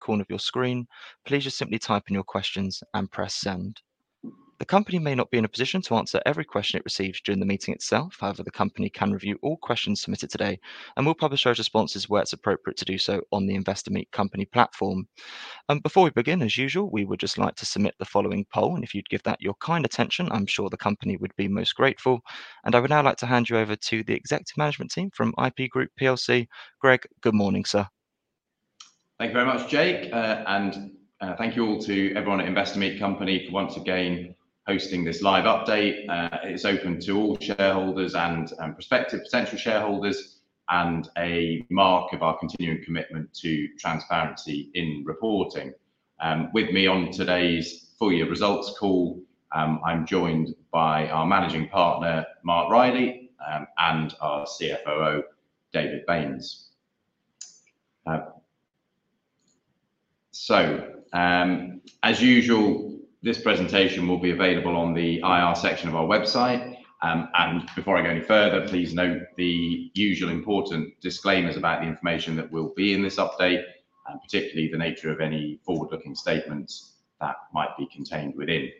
Corner of your screen. Please just simply type in your questions and press send. The company may not be in a position to answer every question it receives during the meeting itself. However, the company can review all questions submitted today and will publish those responses where it's appropriate to do so on the Investor Meet Company platform. Before we begin, as usual, we would just like to submit the following poll, and if you'd give that your kind attention, I'm sure the company would be most grateful. I would now like to hand you over to the Executive Management Team from IP Group. Greg, good morning, sir. Thank you very much, Jake, and thank you all to everyone at Investor Meet Company for once again hosting this live update. It is open to all shareholders and prospective potential shareholders and a mark of our continuing commitment to transparency in reporting. With me on today's full-year results call, I am joined by our Managing Partner, Mark Riley, and our CFO, David Baynes. This presentation will be available on the IR section of our website. Before I go any further, please note the usual important disclaimers about the information that will be in this update, and particularly the nature of any forward-looking statements that might be contained within.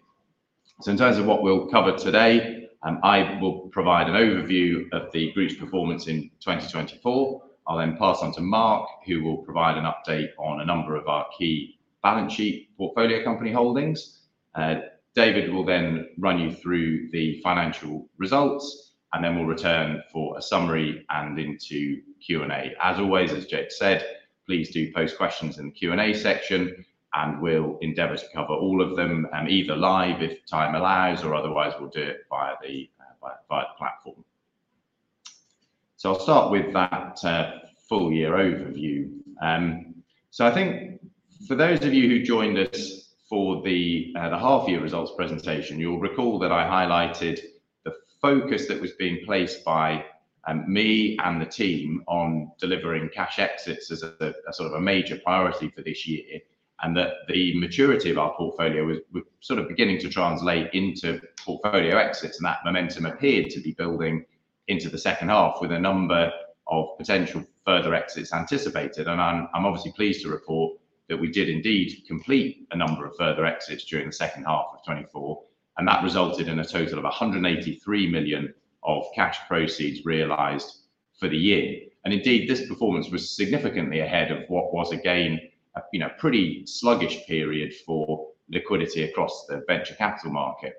In terms of what we will cover today, I will provide an overview of the group's performance in 2024. I'll then pass on to Mark, who will provide an update on a number of our key balance sheet portfolio company holdings. David will then run you through the financial results, and then we'll return for a summary and into Q&A. As always, as Jake said, please do post questions in the Q&A section, and we'll endeavour to cover all of them, either live if time allows, or otherwise we'll do it via the platform. I'll start with that full-year overview. I think for those of you who joined us for the half-year results presentation, you'll recall that I highlighted the focus that was being placed by me and the team on delivering cash exits as a sort of a major priority for this year, and that the maturity of our portfolio was sort of beginning to translate into portfolio exits, and that momentum appeared to be building into the second half with a number of potential further exits anticipated. I'm obviously pleased to report that we did indeed complete a number of further exits during the second half of 2024, and that resulted in a total of 183 million of cash proceeds realised for the year. Indeed, this performance was significantly ahead of what was, again, a pretty sluggish period for liquidity across the venture capital market.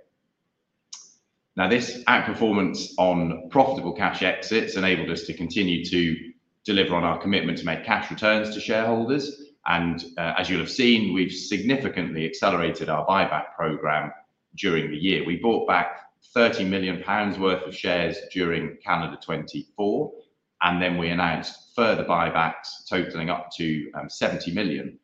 Now, this outperformance on profitable cash exits enabled us to continue to deliver on our commitment to make cash returns to shareholders. As you'll have seen, we've significantly accelerated our buyback program during the year. We bought back 30 million pounds worth of shares during calendar 2024, and we announced further buybacks totaling up to 70 million,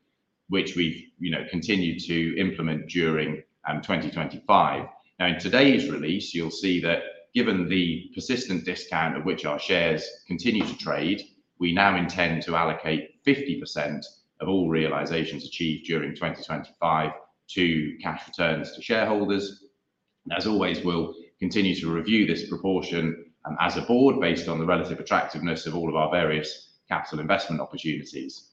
which we've continued to implement during 2025. In today's release, you'll see that given the persistent discount at which our shares continue to trade, we now intend to allocate 50% of all realizations achieved during 2025 to cash returns to shareholders. As always, we'll continue to review this proportion as a board based on the relative attractiveness of all of our various capital investment opportunities.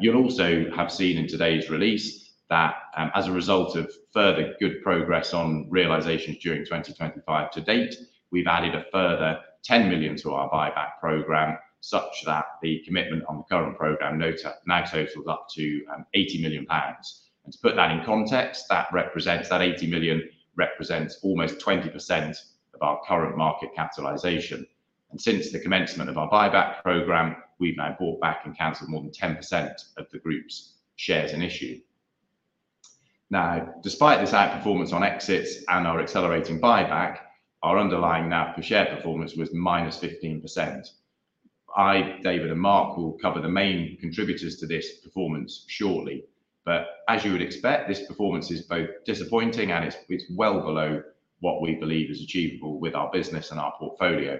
You'll also have seen in today's release that as a result of further good progress on realisations during 2025 to date, we've added a further 10 million to our buyback programme such that the commitment on the current programme now totals up to 80 million pounds. To put that in context, that 80 million represents almost 20% of our current market capitalisation. Since the commencement of our buyback programme, we've now bought back and cancelled more than 10% of the group's shares in issue. Now, despite this outperformance on exits and our accelerating buyback, our underlying NAV per share performance was minus 15%. I, David, and Mark will cover the main contributors to this performance shortly, but as you would expect, this performance is both disappointing and it's well below what we believe is achievable with our business and our portfolio.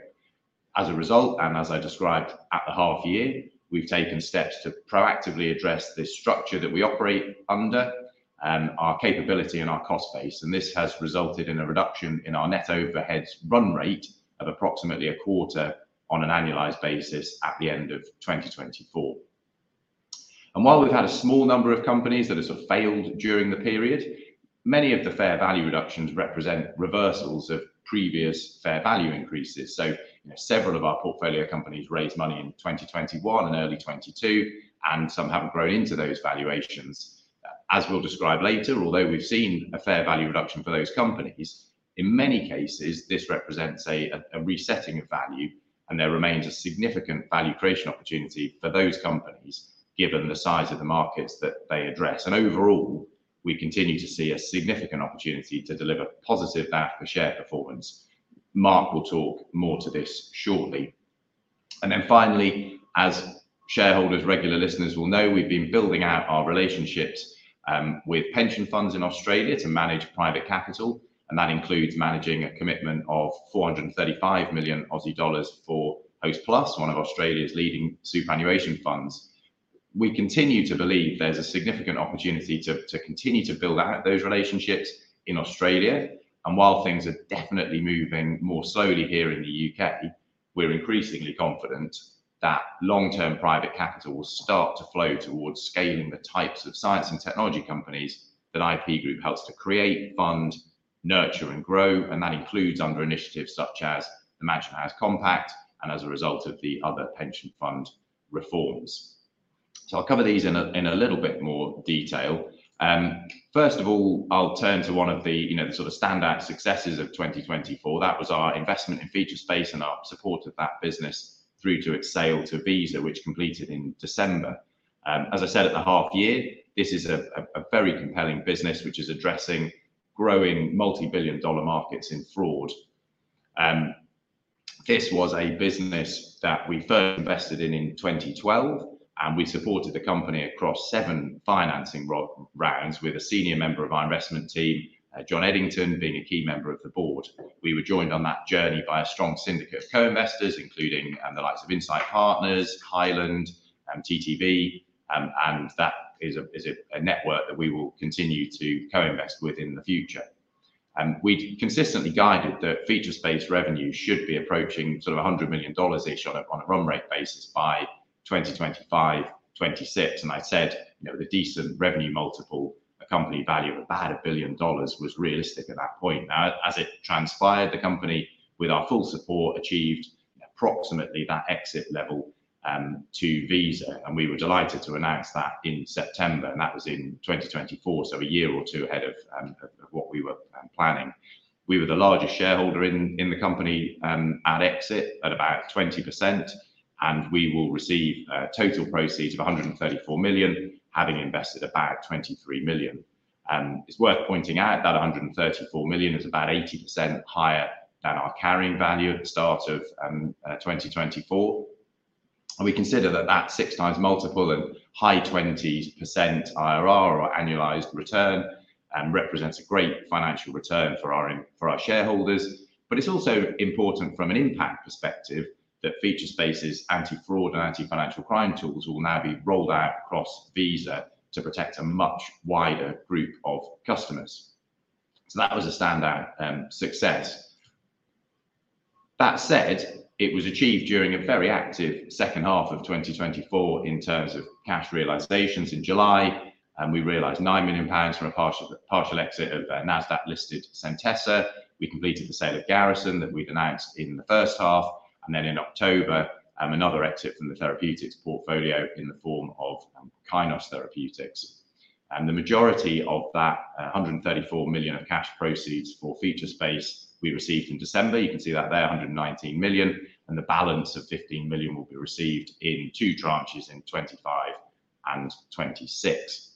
As a result, as I described at the half-year, we have taken steps to proactively address this structure that we operate under, our capability and our cost base. This has resulted in a reduction in our net overhead run rate of approximately a quarter on an annualized basis at the end of 2024. While we have had a small number of companies that have sort of failed during the period, many of the fair value reductions represent reversals of previous fair value increases. Several of our portfolio companies raised money in 2021 and early 2022, and some have not grown into those valuations. As we will describe later, although we have seen a fair value reduction for those companies, in many cases, this represents a resetting of value, and there remains a significant value creation opportunity for those companies given the size of the markets that they address. Overall, we continue to see a significant opportunity to deliver positive out-per-share performance. Mark will talk more to this shortly. Finally, as shareholders, regular listeners will know, we have been building out our relationships with pension funds in Australia to manage private capital, and that includes managing a commitment of 435 million Aussie dollars for Hostplus, one of Australia's leading superannuation funds. We continue to believe there is a significant opportunity to continue to build out those relationships in Australia. While things are definitely moving more slowly here in the U.K., we are increasingly confident that long-term private capital will start to flow towards scaling the types of science and technology companies that IP Group helps to create, fund, nurture, and grow. That includes under initiatives such as the Mansion House Compact and as a result of the other pension fund reforms. I'll cover these in a little bit more detail. First of all, I'll turn to one of the sort of standout successes of 2024. That was our investment in Featurespace and our support of that business through to its sale to Visa, which completed in December. As I said, at the half-year, this is a very compelling business, which is addressing growing multi-billion dollar markets in fraud. This was a business that we first invested in in 2012, and we supported the company across seven financing rounds with a senior member of our investment team, John Eddington, being a key member of the board. We were joined on that journey by a strong syndicate of co-investors, including the likes of Insight Partners, Hyland, TTV, and that is a network that we will continue to co-invest with in the future. We'd consistently guided that Featurespace revenue should be approaching sort of $100 million-ish on a run rate basis by 2025-2026. I said the decent revenue multiple accompanied value of about a billion dollars was realistic at that point. Now, as it transpired, the company, with our full support, achieved approximately that exit level to Visa, and we were delighted to announce that in September. That was in 2024, so a year or two ahead of what we were planning. We were the largest shareholder in the company at exit at about 20%, and we will receive total proceeds of $134 million, having invested about $23 million. It's worth pointing out that $134 million is about 80% higher than our carrying value at the start of 2024. We consider that that six times multiple and high 20% IRR or annualized return represents a great financial return for our shareholders. It is also important from an impact perspective that Featurespace's anti-fraud and anti-financial crime tools will now be rolled out across Visa to protect a much wider group of customers. That was a standout success. That said, it was achieved during a very active second half of 2024 in terms of cash realizations. In July, we realized 9 million pounds from a partial exit of Nasdaq-listed Centessa. We completed the sale of Garrison that we had announced in the first half, and in October, another exit from the therapeutics portfolio in the form of Kymab Therapeutics. The majority of that $134 million of cash proceeds for Featurespace we received in December, you can see that there, $119 million, and the balance of $15 million will be received in two tranches in 2025 and 2026.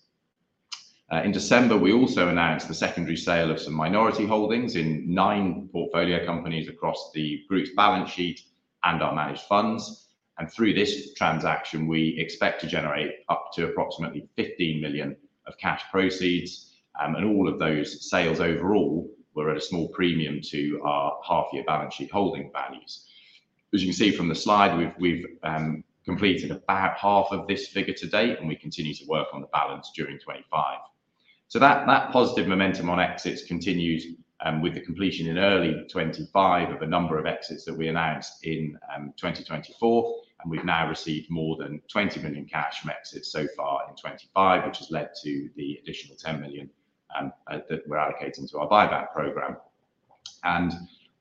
In December, we also announced the secondary sale of some minority holdings in nine portfolio companies across the group's balance sheet and our managed funds. Through this transaction, we expect to generate up to approximately $15 million of cash proceeds. All of those sales overall were at a small premium to our half-year balance sheet holding values. As you can see from the slide, we have completed about half of this figure to date, and we continue to work on the balance during 2025. That positive momentum on exits continues with the completion in early 2025 of a number of exits that we announced in 2024, and we've now received more than $20 million cash from exits so far in 2025, which has led to the additional $10 million that we're allocating to our buyback programme.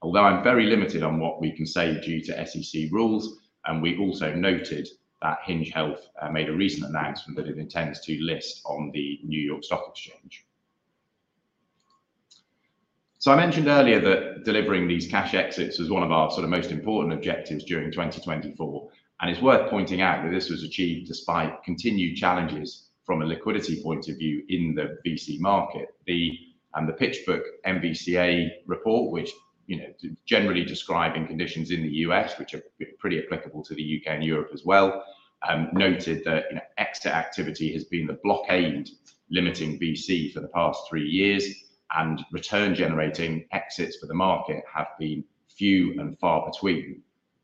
Although I'm very limited on what we can say due to SEC rules, we also noted that Hinge Health made a recent announcement that it intends to list on the New York Stock Exchange. I mentioned earlier that delivering these cash exits was one of our sort of most important objectives during 2024, and it's worth pointing out that this was achieved despite continued challenges from a liquidity point of view in the VC market. The PitchBook MVCA report, which generally describing conditions in the U.S., which are pretty applicable to the U.K. and Europe as well, noted that exit activity has been the blockade limiting VC for the past three years, and return-generating exits for the market have been few and far between.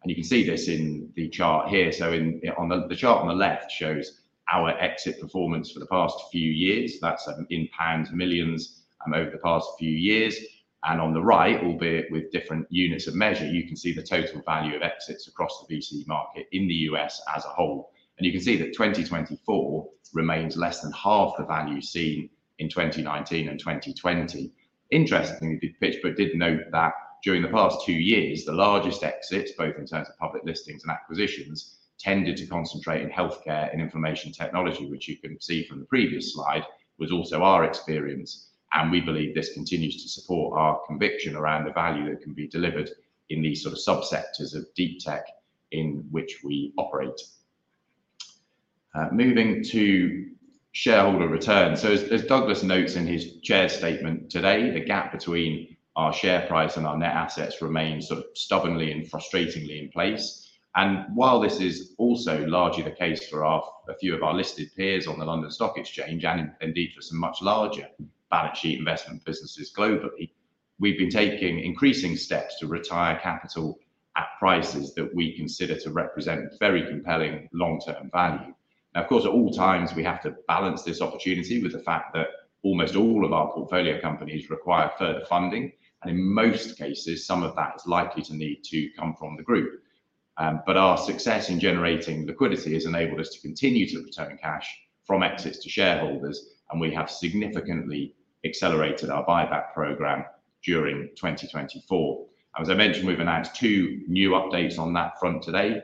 You can see this in the chart here. The chart on the left shows our exit performance for the past few years. That is in pounds millions over the past few years. On the right, albeit with different units of measure, you can see the total value of exits across the VC market in the U.S. as a whole. You can see that 2024 remains less than half the value seen in 2019 and 2020. Interestingly, PitchBook did note that during the past two years, the largest exits, both in terms of public listings and acquisitions, tended to concentrate in healthcare and information technology, which you can see from the previous slide, was also our experience. We believe this continues to support our conviction around the value that can be delivered in these sort of subsectors of deep tech in which we operate. Moving to shareholder returns. As Douglas notes in his Chair statement today, the gap between our share price and our net assets remains sort of stubbornly and frustratingly in place. While this is also largely the case for a few of our listed peers on the London Stock Exchange, and indeed for some much larger balance sheet investment businesses globally, we've been taking increasing steps to retire capital at prices that we consider to represent very compelling long-term value. Of course, at all times, we have to balance this opportunity with the fact that almost all of our portfolio companies require further funding, and in most cases, some of that is likely to need to come from the group. Our success in generating liquidity has enabled us to continue to return cash from exits to shareholders, and we have significantly accelerated our buyback program during 2024. As I mentioned, we've announced two new updates on that front today.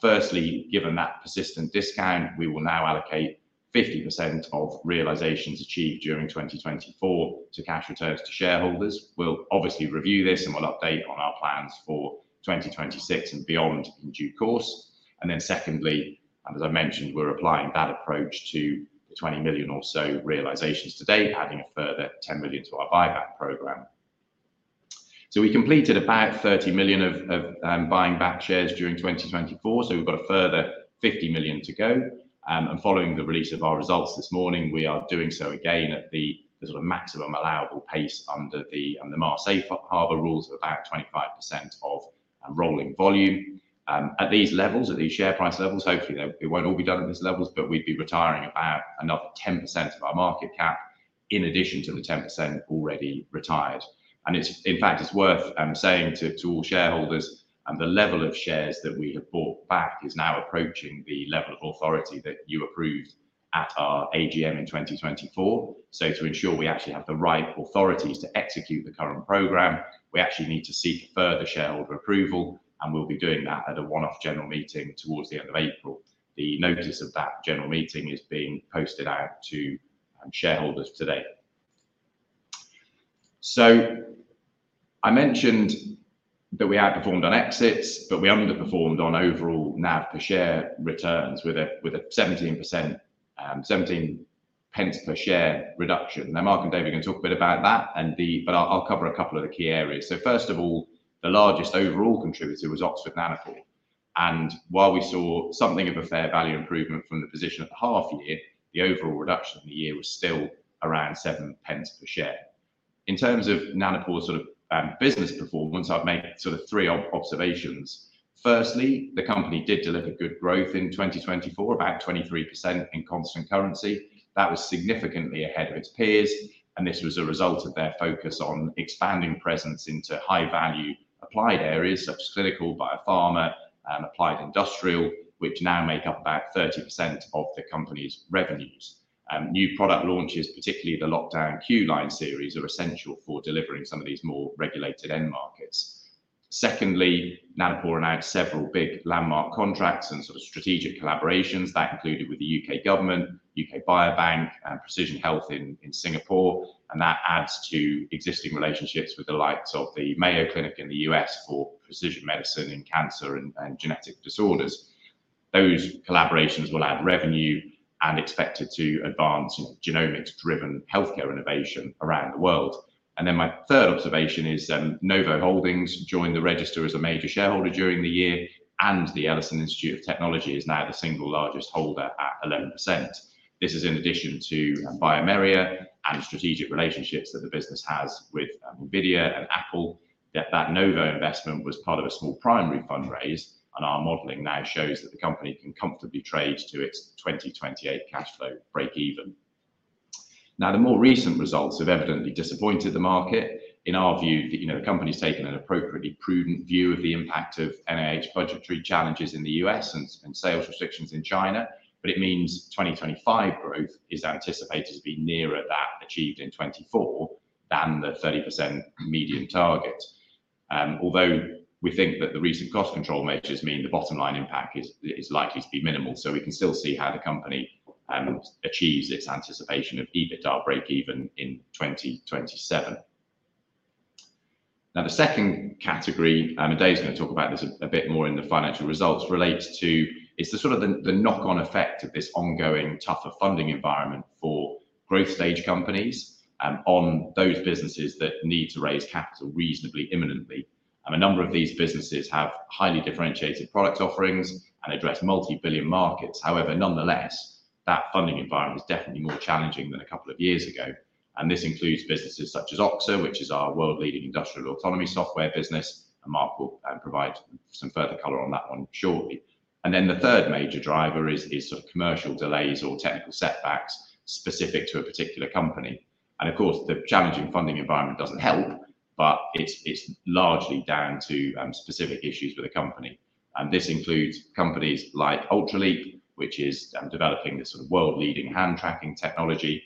Firstly, given that persistent discount, we will now allocate 50% of realisations achieved during 2024 to cash returns to shareholders. We'll obviously review this and we'll update on our plans for 2026 and beyond in due course. Secondly, as I mentioned, we're applying that approach to the $20 million or so realisations to date, adding a further $10 million to our buyback programme. We completed about $30 million of buying back shares during 2024, so we've got a further $50 million to go. Following the release of our results this morning, we are doing so again at the sort of maximum allowable pace under the Marseille Harbour rules of about 25% of rolling volume. At these levels, at these share price levels, hopefully it won't all be done at these levels, but we'd be retiring about another 10% of our market cap in addition to the 10% already retired. In fact, it's worth saying to all shareholders, the level of shares that we have bought back is now approaching the level of authority that you approved at our AGM in 2024. To ensure we actually have the right authorities to execute the current programme, we actually need to seek further shareholder approval, and we'll be doing that at a one-off general meeting towards the end of April. The notice of that general meeting is being posted out to shareholders today. I mentioned that we outperformed on exits, but we underperformed on overall NAV per share returns with a 17 pence per share reduction. Now, Mark and David are going to talk a bit about that, but I'll cover a couple of the key areas. First of all, the largest overall contributor was Oxford Nanopore. While we saw something of a fair value improvement from the position at the half-year, the overall reduction in the year was still around seven pence per share. In terms of Nanopore's sort of business performance, I've made sort of three observations. Firstly, the company did deliver good growth in 2024, about 23% in constant currency. That was significantly ahead of its peers, and this was a result of their focus on expanding presence into high-value applied areas such as clinical, biopharma, and applied industrial, which now make up about 30% of the company's revenues. New product launches, particularly the PromethION Q-line series, are essential for delivering some of these more regulated end markets. Secondly, Oxford Nanopore announced several big landmark contracts and sort of strategic collaborations. That included with the U.K. government, U.K. Biobank, and Precision Health in Singapore. That adds to existing relationships with the likes of the Mayo Clinic in the U.S. for precision medicine in cancer and genetic disorders. Those collaborations will add revenue and expect it to advance genomics-driven healthcare innovation around the world. My third observation is Novo Holdings joined the register as a major shareholder during the year, and the Ellison Institute of Technology is now the single largest holder at 11%. This is in addition to bioMérieux and strategic relationships that the business has with Nvidia and Apple. That Novo investment was part of a small primary fundraise, and our modelling now shows that the company can comfortably trade to its 2028 cash flow break-even. Now, the more recent results have evidently disappointed the market. In our view, the company's taken an appropriately prudent view of the impact of NIH budgetary challenges in the U.S. and sales restrictions in China, but it means 2025 growth is anticipated to be nearer that achieved in 2024 than the 30% median target. Although we think that the recent cost control measures mean the bottom line impact is likely to be minimal, we can still see how the company achieves its anticipation of EBITDA break-even in 2027. Now, the second category, and Dave's going to talk about this a bit more in the financial results, relates to the sort of knock-on effect of this ongoing tougher funding environment for growth stage companies on those businesses that need to raise capital reasonably imminently. A number of these businesses have highly differentiated product offerings and address multi-billion markets. However, nonetheless, that funding environment is definitely more challenging than a couple of years ago. This includes businesses such as Oxa, which is our world-leading industrial autonomy software business, and Mark will provide some further color on that one shortly. The third major driver is sort of commercial delays or technical setbacks specific to a particular company. Of course, the challenging funding environment does not help, but it is largely down to specific issues with the company. This includes companies like Ultraleap, which is developing this sort of world-leading hand tracking technology,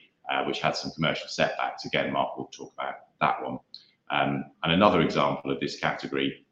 which had some commercial setbacks. Mark will talk about that one. Another example of this category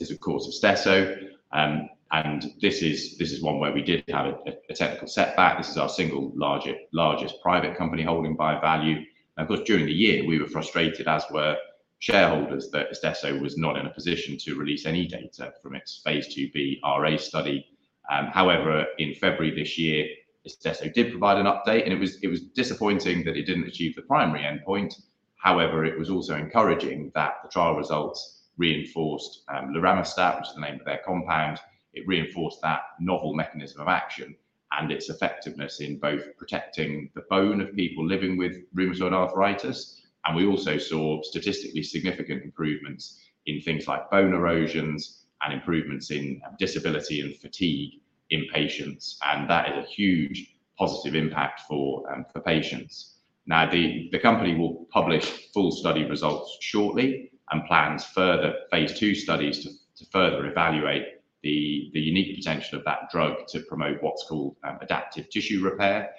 is, of course, Oxford Nanopore. This is one where we did have a technical setback. This is our single largest private company holding by value. Of course, during the year, we were frustrated, as were shareholders, that Obsidian Therapeutics was not in a position to release any data from its phase 2B RA study. However, in February this year, Obsidian Therapeutics did provide an update, and it was disappointing that it did not achieve the primary endpoint. However, it was also encouraging that the trial results reinforced lorlatinib, which is the name of their compound. It reinforced that novel mechanism of action and its effectiveness in both protecting the bone of people living with rheumatoid arthritis. We also saw statistically significant improvements in things like bone erosions and improvements in disability and fatigue in patients. That is a huge positive impact for patients. Now, the company will publish full study results shortly and plans further phase 2 studies to further evaluate the unique potential of that drug to promote what's called adaptive tissue repair,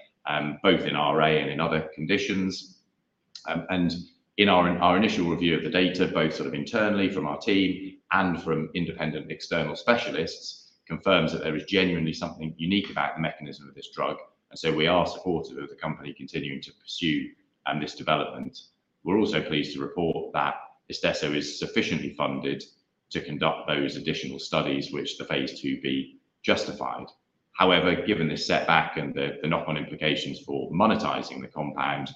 both in RA and in other conditions. In our initial review of the data, both sort of internally from our team and from independent external specialists, confirms that there is genuinely something unique about the mechanism of this drug. We are supportive of the company continuing to pursue this development. We're also pleased to report that Obsidian is sufficiently funded to conduct those additional studies, which the phase 2B justified. However, given this setback and the knock-on implications for monetizing the compound,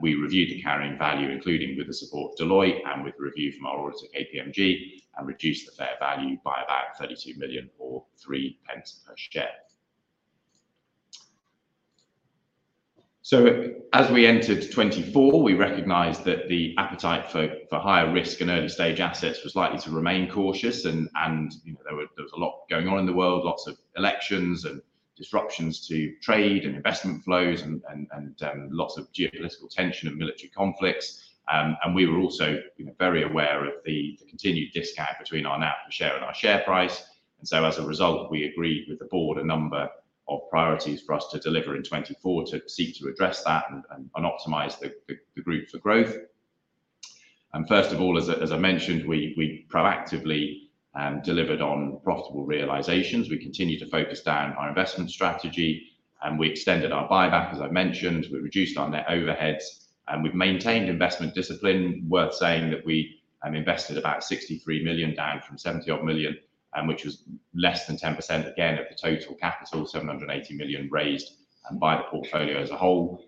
we reviewed the carrying value, including with the support of Deloitte and with the review from our auditor, KPMG, and reduced the fair value by about $32 million or 3 pence per share. As we entered 2024, we recognized that the appetite for higher risk and early stage assets was likely to remain cautious. There was a lot going on in the world, lots of elections and disruptions to trade and investment flows, and lots of geopolitical tension and military conflicts. We were also very aware of the continued discount between our NAV per share and our share price. As a result, we agreed with the board a number of priorities for us to deliver in 2024 to seek to address that and optimize the group for growth. First of all, as I mentioned, we proactively delivered on profitable realizations. We continue to focus down our investment strategy, and we extended our buyback, as I mentioned. We reduced our net overheads, and we've maintained investment discipline. Worth saying that we invested about $63 million, down from $70 million, which was less than 10% again of the total capital, $780 million raised by the portfolio as a whole.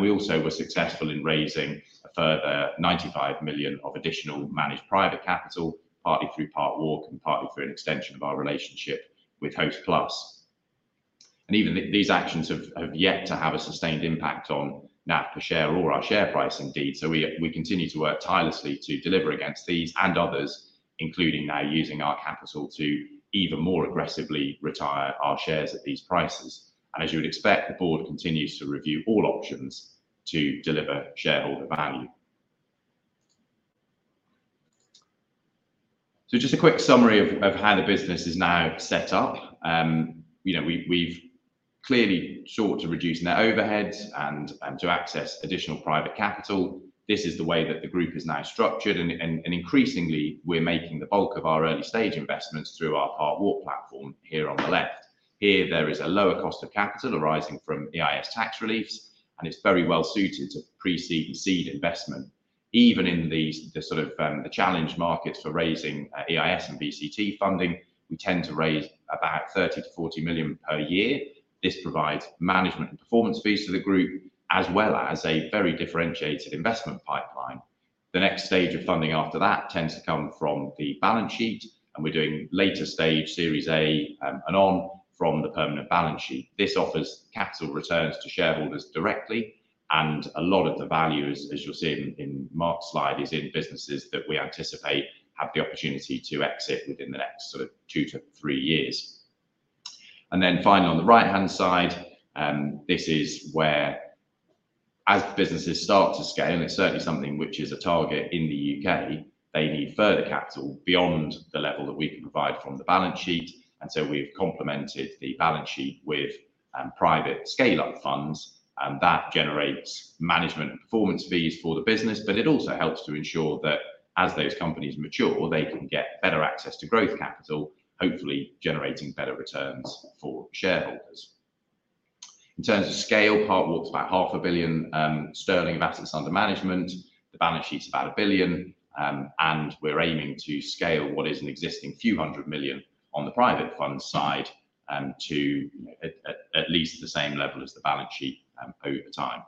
We also were successful in raising a further $95 million of additional managed private capital, partly through Park Walk and partly through an extension of our relationship with Hostplus. Even these actions have yet to have a sustained impact on NAV per share or our share price indeed. We continue to work tirelessly to deliver against these and others, including now using our capital to even more aggressively retire our shares at these prices. As you would expect, the board continues to review all options to deliver shareholder value. Just a quick summary of how the business is now set up. We've clearly sought to reduce net overheads and to access additional private capital. This is the way that the group is now structured. Increasingly, we're making the bulk of our early stage investments through our Park Walk platform here on the left. Here, there is a lower cost of capital arising from EIS tax reliefs, and it's very well suited to pre-seed and seed investment. Even in the sort of challenge markets for raising EIS and VCT funding, we tend to raise about $30-$40 million per year. This provides management and performance fees to the group, as well as a very differentiated investment pipeline. The next stage of funding after that tends to come from the balance sheet, and we're doing later stage Series A and on from the permanent balance sheet. This offers capital returns to shareholders directly, and a lot of the value, as you'll see in Mark's slide, is in businesses that we anticipate have the opportunity to exit within the next sort of two to three years. Finally, on the right-hand side, this is where, as businesses start to scale, and it's certainly something which is a target in the U.K., they need further capital beyond the level that we can provide from the balance sheet. We have complemented the balance sheet with private scale-up funds, and that generates management and performance fees for the business, but it also helps to ensure that as those companies mature, they can get better access to growth capital, hopefully generating better returns for shareholders. In terms of scale, Park Walk's about 500 million sterling of assets under management. The balance sheet's about $1 billion, and we're aiming to scale what is an existing few hundred million on the private fund side to at least the same level as the balance sheet over time.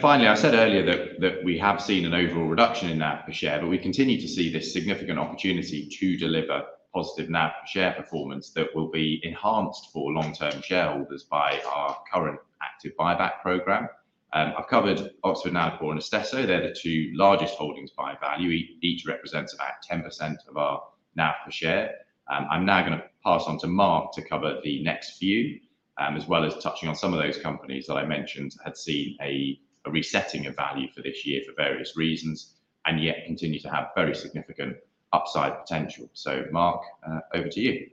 Finally, I said earlier that we have seen an overall reduction in NAV per share, but we continue to see this significant opportunity to deliver positive NAV per share performance that will be enhanced for long-term shareholders by our current active buyback program. I've covered Oxford Nanopore and Obsidian. They're the two largest holdings by value. Each represents about 10% of our NAV per share. I'm now going to pass on to Mark to cover the next few, as well as touching on some of those companies that I mentioned had seen a resetting of value for this year for various reasons, and yet continue to have very significant upside potential. Mark, over to you.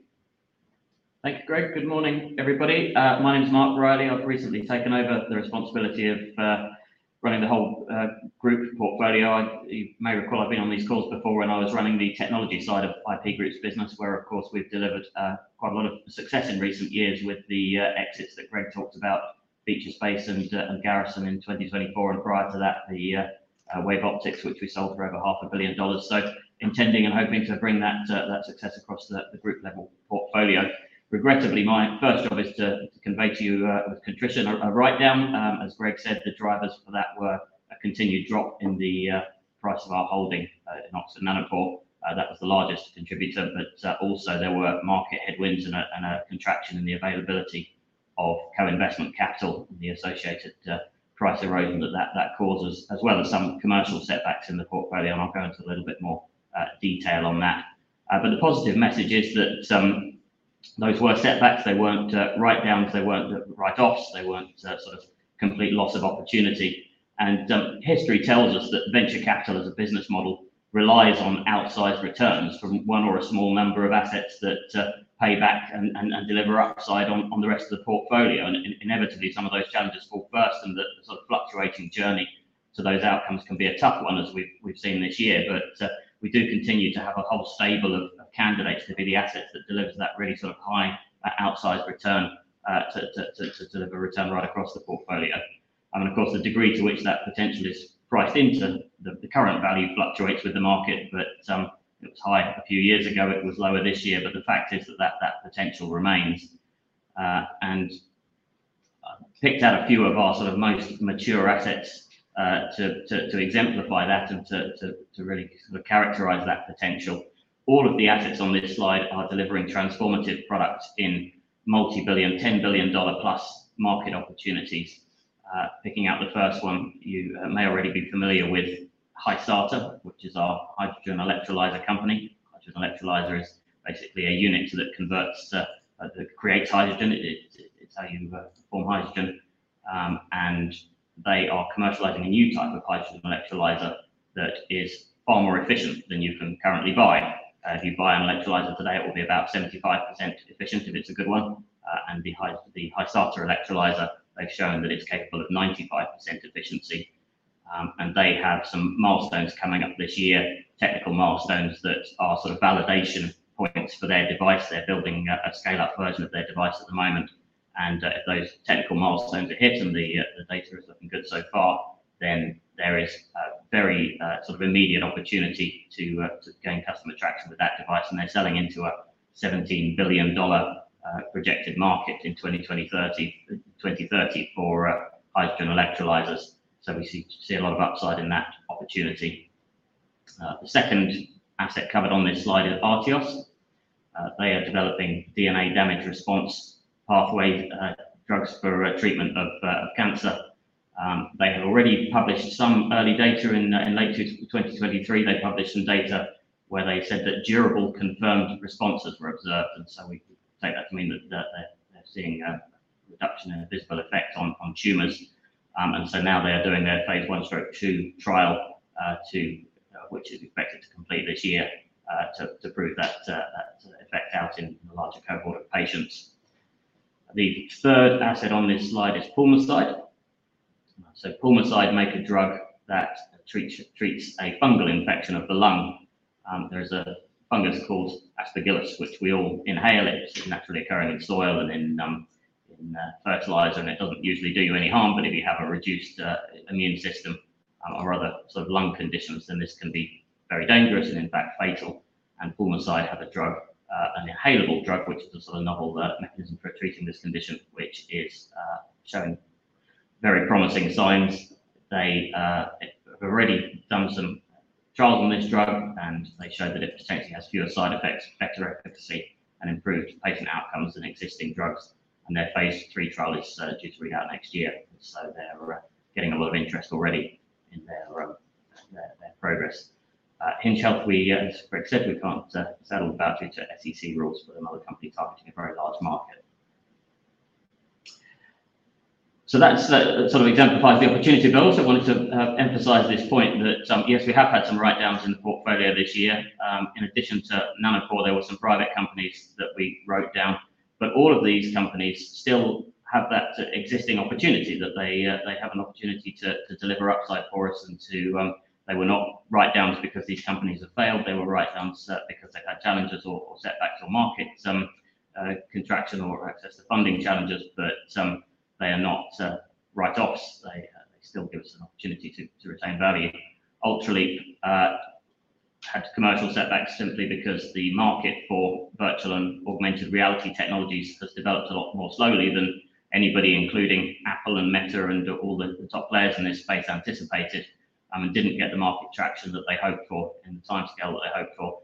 Thank you, Greg. Good morning, everybody. My name's Mark Riley. I've recently taken over the responsibility of running the whole group portfolio. You may recall I've been on these calls before when I was running the technology side of IP Group's business, where, of course, we've delivered quite a lot of success in recent years with the exits that Greg talked about, Featurespace and Garrison in 2024, and prior to that, the Wave Optics, which we sold for over $500 million. Intending and hoping to bring that success across the group level portfolio. Regrettably, my first job is to convey to you with contrition a write-down. As Greg said, the drivers for that were a continued drop in the price of our holding in Oxford Nanopore. That was the largest contributor, but also there were market headwinds and a contraction in the availability of co-investment capital and the associated price erosion that that causes, as well as some commercial setbacks in the portfolio. I'll go into a little bit more detail on that. The positive message is that those were setbacks. They were not write-downs. They were not write-offs. They were not sort of complete loss of opportunity. History tells us that venture capital as a business model relies on outsized returns from one or a small number of assets that pay back and deliver upside on the rest of the portfolio. Inevitably, some of those challenges fall first, and the sort of fluctuating journey to those outcomes can be a tough one, as we've seen this year. We do continue to have a whole stable of candidates to be the assets that deliver that really sort of high outsized return to deliver return right across the portfolio. Of course, the degree to which that potential is priced into the current value fluctuates with the market, but it was high a few years ago. It was lower this year, but the fact is that that potential remains. I picked out a few of our sort of most mature assets to exemplify that and to really sort of characterise that potential. All of the assets on this slide are delivering transformative products in multi-billion, $10 billion-plus market opportunities. Picking out the first one, you may already be familiar with Hysata, which is our hydrogen electrolyser company. Hydrogen electrolyser is basically a unit that creates hydrogen. It's how you form hydrogen. They are commercialising a new type of hydrogen electrolyser that is far more efficient than you can currently buy. If you buy an electrolyser today, it will be about 75% efficient if it's a good one. The Hysata electrolyser, they've shown that it's capable of 95% efficiency. They have some milestones coming up this year, technical milestones that are sort of validation points for their device. They're building a scale-up version of their device at the moment. If those technical milestones are hit and the data is looking good so far, there is a very sort of immediate opportunity to gain customer traction with that device. They're selling into a $17 billion projected market in 2030 for hydrogen electrolysers. We see a lot of upside in that opportunity. The second asset covered on this slide is Artios. They are developing DNA damage response pathway drugs for treatment of cancer. They have already published some early data in late 2023. They published some data where they said that durable confirmed responses were observed. We take that to mean that they're seeing a reduction in a visible effect on tumors. Now they are doing their phase 1/2 trial, which is expected to complete this year to prove that effect out in a larger cohort of patients. The third asset on this slide is Pulmocide. Pulmocide makes a drug that treats a fungal infection of the lung. There is a fungus called Aspergillus, which we all inhale. It's naturally occurring in soil and in fertilizer, and it doesn't usually do you any harm. If you have a reduced immune system or other sort of lung conditions, then this can be very dangerous and in fact fatal. Pulmocide has a drug, an inhalable drug, which is a sort of novel mechanism for treating this condition, which is showing very promising signs. They have already done some trials on this drug, and they show that it potentially has fewer side effects, better efficacy, and improved patient outcomes than existing drugs. Their phase 3 trial is due to be out next year. They are getting a lot of interest already in their progress. In health, we said we can't settle without due to SEC rules for another company targeting a very large market. That sort of exemplifies the opportunity. I also wanted to emphasize this point that, yes, we have had some write-downs in the portfolio this year. In addition to Nanopore, there were some private companies that we wrote down. All of these companies still have that existing opportunity that they have an opportunity to deliver upside for us. They were not write-downs because these companies have failed. They were write-downs because they have had challenges or setbacks or market contraction or access to funding challenges. They are not write-offs. They still give us an opportunity to retain value. Ultraleap had commercial setbacks simply because the market for virtual and augmented reality technologies has developed a lot more slowly than anybody, including Apple and Meta and all the top players in this space, anticipated and did not get the market traction that they hoped for in the timescale that they hoped for.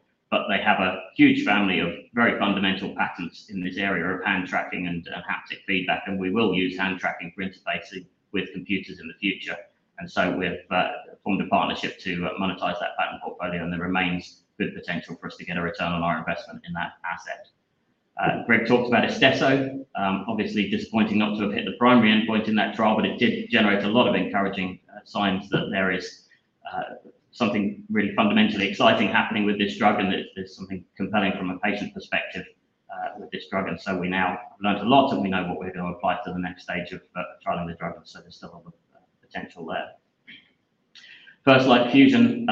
They have a huge family of very fundamental patents in this area of hand tracking and haptic feedback. We will use hand tracking for interfacing with computers in the future. We have formed a partnership to monetize that patent portfolio. There remains good potential for us to get a return on our investment in that asset. Greg talked about Istesso. Obviously, disappointing not to have hit the primary endpoint in that trial, but it did generate a lot of encouraging signs that there is something really fundamentally exciting happening with this drug and that there is something compelling from a patient perspective with this drug. We now have learned a lot, and we know what we are going to apply to the next stage of trialing the drug. There is still a lot of potential there. First Light Fusion,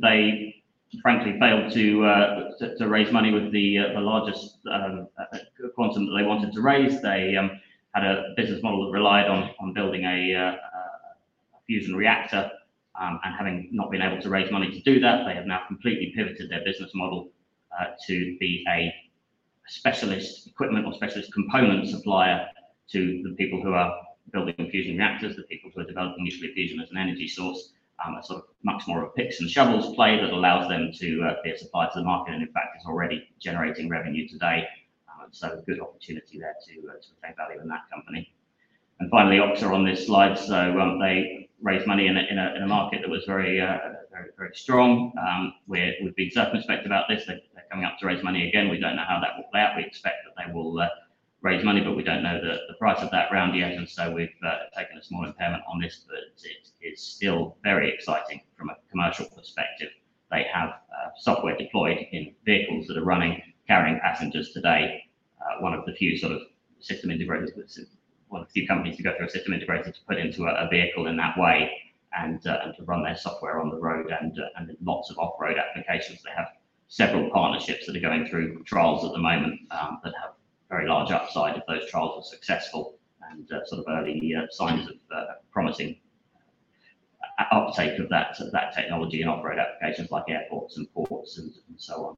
they frankly failed to raise money with the largest quantum that they wanted to raise. They had a business model that relied on building a fusion reactor. Having not been able to raise money to do that, they have now completely pivoted their business model to be a specialist equipment or specialist component supplier to the people who are building fusion reactors, the people who are developing nuclear fusion as an energy source, a sort of much more of a picks and shovels play that allows them to be a supply to the market. In fact, it is already generating revenue today. Good opportunity there to retain value in that company. Finally, Oxford on this slide. They raised money in a market that was very, very strong. We have been circumspect about this. They are coming up to raise money again. We do not know how that will play out. We expect that they will raise money, but we do not know the price of that round yet. We have taken a small impairment on this, but it is still very exciting from a commercial perspective. They have software deployed in vehicles that are running, carrying passengers today. One of the few sort of system integrators, that is one of the few companies to go through a system integrator to put into a vehicle in that way and to run their software on the road and in lots of off-road applications. They have several partnerships that are going through trials at the moment that have very large upside if those trials are successful and sort of early signs of promising uptake of that technology in off-road applications like airports and ports and so on.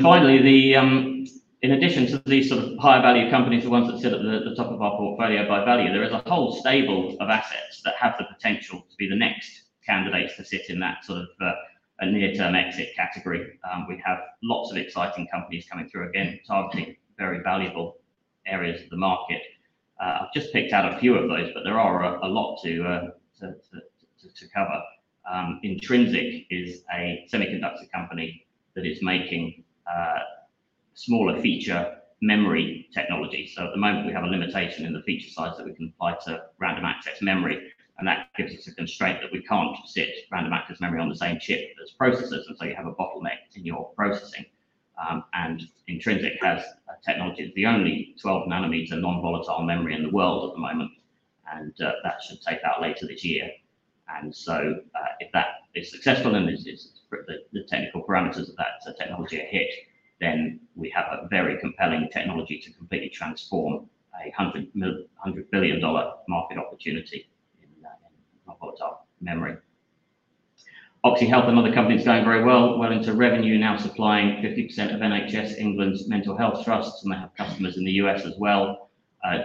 Finally, in addition to these sort of higher value companies, the ones that sit at the top of our portfolio by value, there is a whole stable of assets that have the potential to be the next candidates to sit in that sort of near-term exit category. We have lots of exciting companies coming through again, targeting very valuable areas of the market. I've just picked out a few of those, but there are a lot to cover. Intrinsic is a semiconductor company that is making smaller feature memory technology. At the moment, we have a limitation in the feature size that we can apply to random access memory. That gives us a constraint that we can't sit random access memory on the same chip as processors. You have a bottleneck in your processing. Intrinsic has technology. It's the only 12 nanometer non-volatile memory in the world at the moment. That should take out later this year. If that is successful and the technical parameters of that technology are hit, then we have a very compelling technology to completely transform a $100 billion market opportunity in non-volatile memory. OxHealth, another company, is going very well, well into revenue, now supplying 50% of NHS England's mental health trusts. They have customers in the U.S. as well.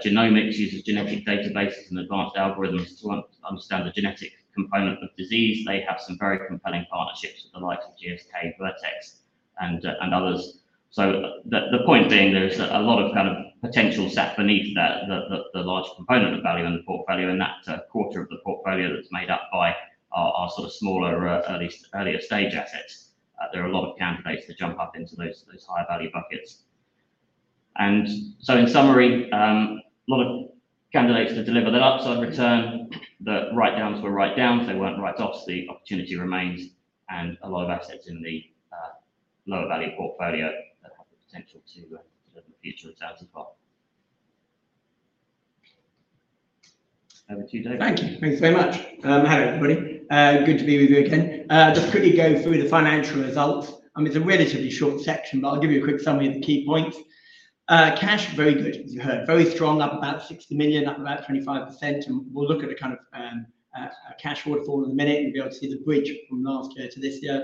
Genomics uses genetic databases and advanced algorithms to understand the genetic component of disease. They have some very compelling partnerships with the likes of GSK, Vertex, and others. The point being, there's a lot of kind of potential sat beneath the large component of value in the portfolio and that quarter of the portfolio that's made up by our sort of smaller earlier stage assets. There are a lot of candidates to jump up into those higher value buckets. In summary, a lot of candidates to deliver that upside return. The write-downs were write-downs. They were not write-offs. The opportunity remains. A lot of assets in the lower value portfolio have the potential to deliver future returns as well. Over to you, David. Thank you. Thanks very much. Hello, everybody. Good to be with you again. Just quickly go through the financial results. It is a relatively short section, but I will give you a quick summary of the key points. Cash, very good, as you heard. Very strong, up about $60 million, up about 25%. We will look at a kind of cash order form in a minute and be able to see the bridge from last year to this year.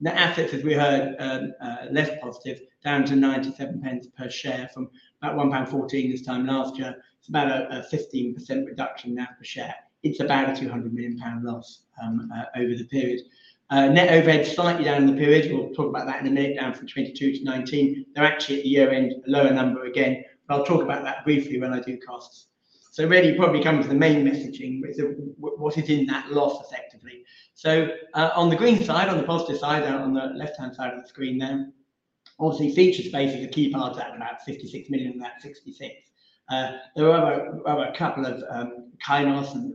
The assets, as we heard, less positive, down to 97 pence per share from about 1.14 pound this time last year. It's about a 15% reduction now per share. It's about a 200 million pound loss over the period. Net overhead slightly down in the period. We'll talk about that in a minute, down from 22 to 19. They're actually at the year-end, a lower number again. I'll talk about that briefly when I do costs. Really, probably coming to the main messaging, what is in that loss effectively? On the green side, on the positive side, on the left-hand side of the screen there, obviously, Featurespace is a key part of that, about 56 million, about 66 million. There were a couple of Kynos and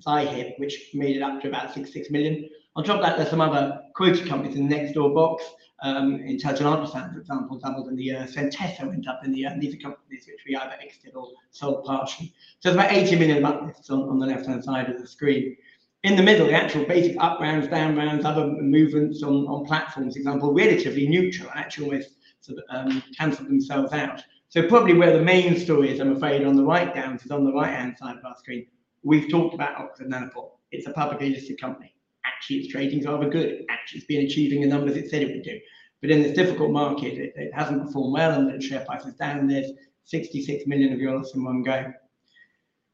Said, which made it up to about 66 million. I'll drop that. There's some other quoted companies in the next door box. Intelligent Arctic Sound, for example, doubled in the year. Centessa went up in the year. And these are companies which we either exited or sold partially. So there's about 80 million buckets on the left-hand side of the screen. In the middle, the actual basic up rounds, down rounds, other movements on platforms, for example, relatively neutral. Actually, almost sort of cancelled themselves out. Probably where the main story is, I'm afraid, on the write-downs is on the right-hand side of our screen. We've talked about Oxford Nanopore. It's a publicly listed company. Actually, its ratings are good. Actually, it's been achieving the numbers it said it would do. In this difficult market, it hasn't performed well. The share price is down. There's 66 million euros in one go.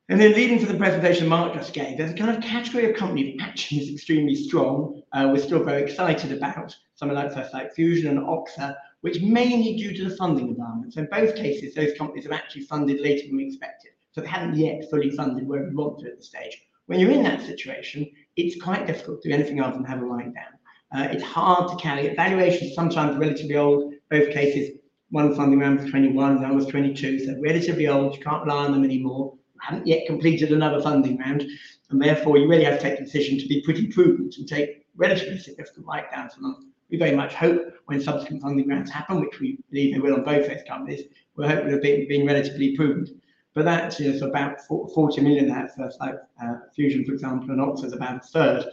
Then leading to the presentation Mark just gave, there's a kind of category of companies actually that's extremely strong. We're still very excited about some of those like Fusion and Oxa, which mainly due to the funding environment. In both cases, those companies have actually funded later than we expected. They haven't yet fully funded where we want to at this stage. When you're in that situation, it's quite difficult to do anything other than have a write-down. It's hard to carry. Valuation is sometimes relatively old. Both cases, one funding round was 2021, the other was 2022. Relatively old. You can't rely on them anymore. You haven't yet completed another funding round. Therefore, you really have to take the decision to be pretty prudent and take relatively significant write-downs. We very much hope when subsequent funding rounds happen, which we believe they will on both those companies, we hope we'll be relatively prudent. That is about 40 million at First Light Fusion, for example, and Oxford's about a third.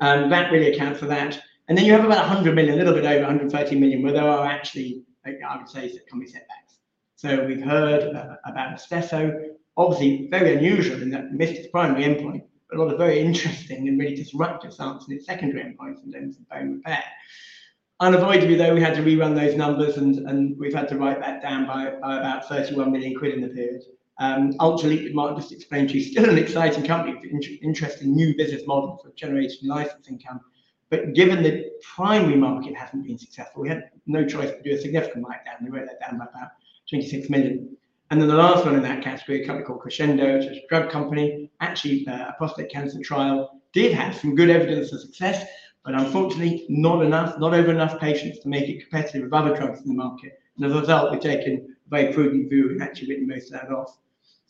That really accounts for that. You have about 100 million, a little bit over 130 million, where there are actually, I would say, some common setbacks. We've heard about Istesso. Obviously, very unusual in that it missed its primary endpoint, but a lot of very interesting and really disruptive stance in its secondary endpoints in terms of bone repair. Unavoidably, though, we had to rerun those numbers, and we've had to write that down by about 31 million quid in the period. Ultraleap, we might have just explained to you, still an exciting company with interesting new business models of generation licensing come. Given the primary market has not been successful, we had no choice but to do a significant write-down. We wrote that down by about $26 million. The last one in that category, a company called Crescendo, which is a drug company, actually a prostate cancer trial, did have some good evidence of success, but unfortunately, not enough, not over enough patients to make it competitive with other drugs in the market. As a result, we have taken a very prudent view and actually written most of that off.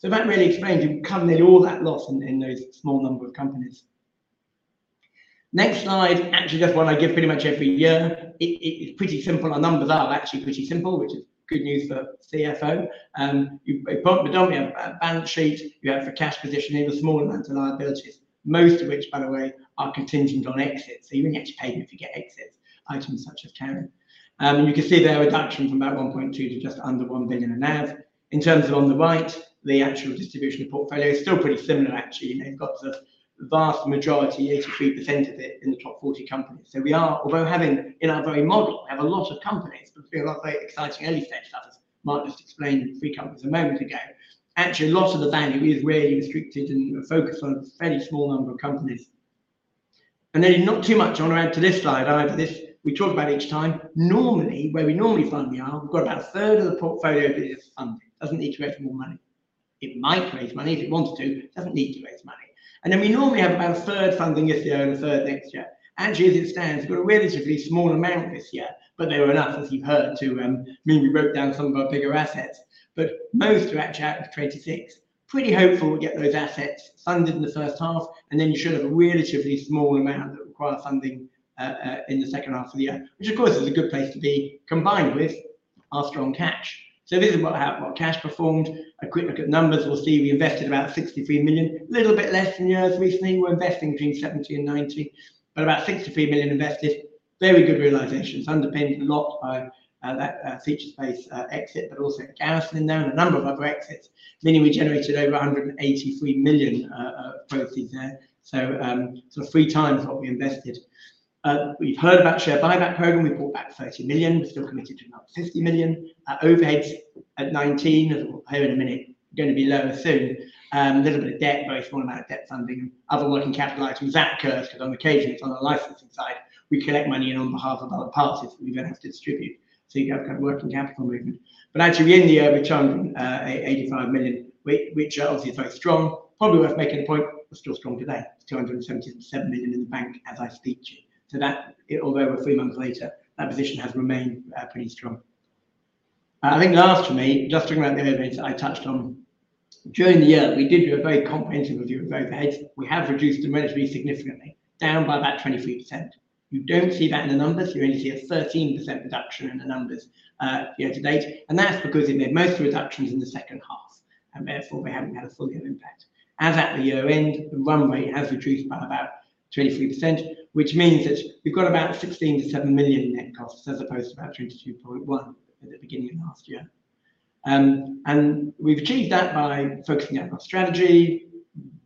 That really explains you cannot really all that loss in those small number of companies. Next slide. Actually, that is what I give pretty much every year. It is pretty simple. Our numbers are actually pretty simple, which is good news for CFO. You have got a balance sheet. You have for cash position, even smaller amounts of liabilities, most of which, by the way, are contingent on exits. You only actually pay them if you get exits, items such as carrying. You can see their reduction from about $1.2 billion to just under. In terms of on the right, the actual distribution of portfolio is still pretty similar, actually. They have the vast majority, 83%, of it, in the top 40 companies. We are, although having in our very model, we have a lot of companies, but we have very exciting early stage stuff, as Mark just explained in three companies a moment ago. Actually, a lot of the value is really restricted and focused on a fairly small number of companies. Not too much on our end to this slide, either. We talk about each time. Normally, where we normally find the R, we've got about a third of the portfolio that is funded. It doesn't need to raise more money. It might raise money if it wants to. It doesn't need to raise money. We normally have about a third funding this year and a third next year. Actually, as it stands, we've got a relatively small amount this year, but they were enough, as you've heard, to mean we broke down some of our bigger assets. Most are actually out of 26. Pretty hopeful we'll get those assets funded in the first half. You should have a relatively small amount that requires funding in the second half of the year, which, of course, is a good place to be combined with our strong cash. This is what cash performed. A quick look at numbers. We'll see we invested about 63 million, a little bit less than previous years. Recently, we're investing between 70 million-90 million, but about 63 million invested. Very good realisations. Underpinned a lot by that Featurespace exit, but also Kymab in there, and a number of other exits, meaning we generated over 183 million proceeds there. Sort of three times what we invested. We've heard about the share buyback program. We bought back 30 million. We're still committed to about 50 million. Overheads at 19 million, as we'll hear in a minute, going to be lower soon. A little bit of debt, very small amount of debt funding, and other working capital items, that curve, because on occasion, it's on the licensing side. We collect money on behalf of other parties that we're going to have to distribute. You have kind of working capital movement. Actually, we're in the year with 285 million, which obviously is very strong. Probably worth making a point. We're still strong today. It's 277 million in the bank as I speak to you. That, although we're three months later, that position has remained pretty strong. I think last for me, just talking about the overheads that I touched on, during the year, we did do a very comprehensive review of overheads. We have reduced them relatively significantly, down by about 23%. You don't see that in the numbers. You only see a 13% reduction in the numbers year to date. That's because we made most of the reductions in the second half. Therefore, we haven't had a full year impact. As at the year-end, the runway has reduced by about 23%, which means that we've got about $16 million-$7 million net costs as opposed to about $22.1 million at the beginning of last year. We've achieved that by focusing on our strategy,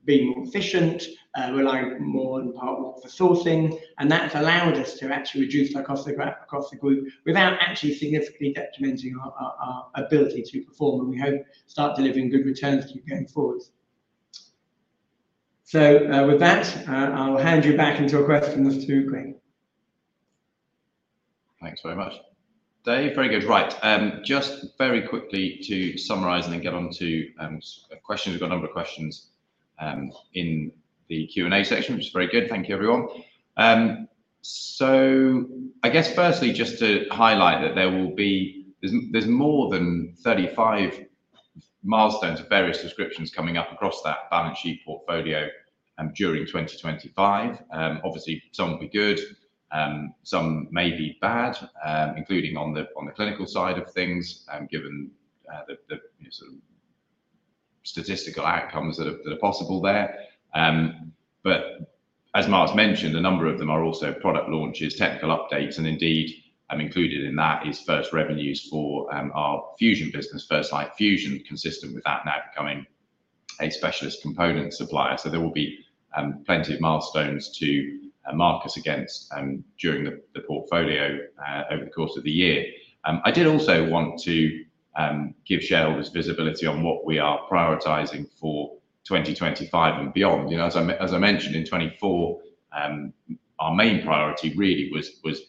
being more efficient, relying more in part on sourcing. That's allowed us to actually reduce our costs across the group without actually significantly detrimenting our ability to perform. We hope to start delivering good returns going forward. With that, I'll hand you back and to a question from Mr. Hugh Green. Thanks very much, Dave. Very good. Right. Just very quickly to summarize and then get on to questions. We've got a number of questions in the Q&A section, which is very good. Thank you, everyone. I guess firstly, just to highlight that there will be more than 35 milestones of various subscriptions coming up across that balance sheet portfolio during 2025. Obviously, some will be good, some may be bad, including on the clinical side of things, given the sort of statistical outcomes that are possible there. As Mark's mentioned, a number of them are also product launches, technical updates. Indeed, included in that is first revenues for our Fusion business, First Light Fusion, consistent with that now becoming a specialist component supplier. There will be plenty of milestones to mark us against during the portfolio over the course of the year. I did also want to give shareholders visibility on what we are prioritizing for 2025 and beyond. As I mentioned, in 2024, our main priority really was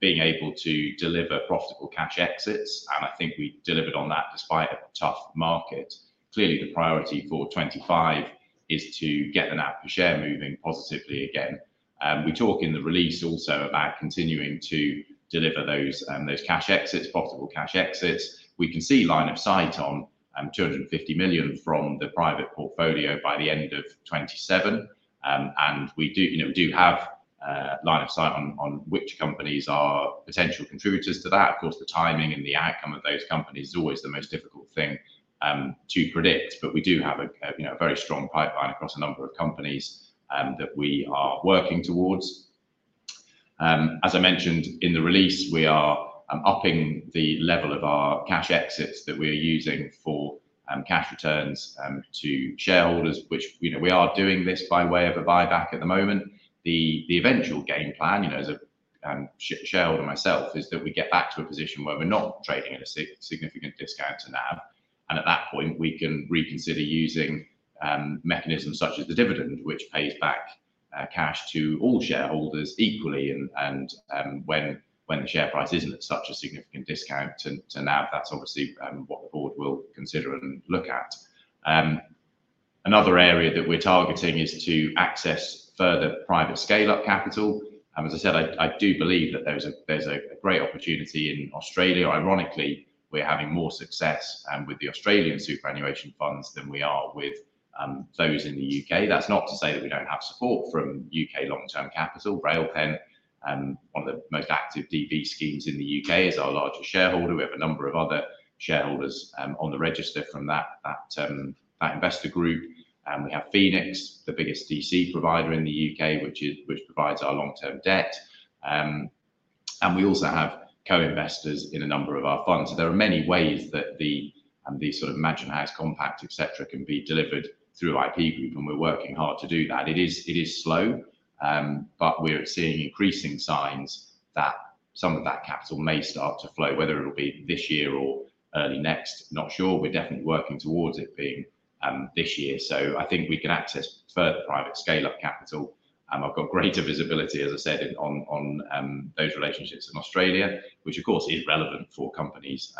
being able to deliver profitable cash exits. I think we delivered on that despite a tough market. Clearly, the priority for 2025 is to get the NAV per share moving positively again. We talk in the release also about continuing to deliver those cash exits, profitable cash exits. We can see line of sight on 250 million from the private portfolio by the end of 2027. We do have line of sight on which companies are potential contributors to that. Of course, the timing and the outcome of those companies is always the most difficult thing to predict. We do have a very strong pipeline across a number of companies that we are working towards. As I mentioned in the release, we are upping the level of our cash exits that we are using for cash returns to shareholders, which we are doing this by way of a buyback at the moment. The eventual game plan, as a shareholder myself, is that we get back to a position where we're not trading at a significant discount to NAV. At that point, we can reconsider using mechanisms such as the dividend, which pays back cash to all shareholders equally. When the share price isn't at such a significant discount to NAV, that's obviously what the board will consider and look at. Another area that we're targeting is to access further private scale-up capital. As I said, I do believe that there's a great opportunity in Australia. Ironically, we're having more success with the Australian superannuation funds than we are with those in the U.K. That's not to say that we don't have support from U.K. long-term capital. Railpen, one of the most active DB schemes in the U.K., is our largest shareholder. We have a number of other shareholders on the register from that investor group. We have Phoenix, the biggest DC provider in the U.K., which provides our long-term debt. We also have co-investors in a number of our funds. There are many ways that the sort of Mansion House Compact, etc., can be delivered through IP Group. We are working hard to do that. It is slow, but we are seeing increasing signs that some of that capital may start to flow, whether it will be this year or early next, not sure. We are definitely working towards it being this year. I think we can access further private scale-up capital. I have got greater visibility, as I said, on those relationships in Australia, which, of course, is relevant for companies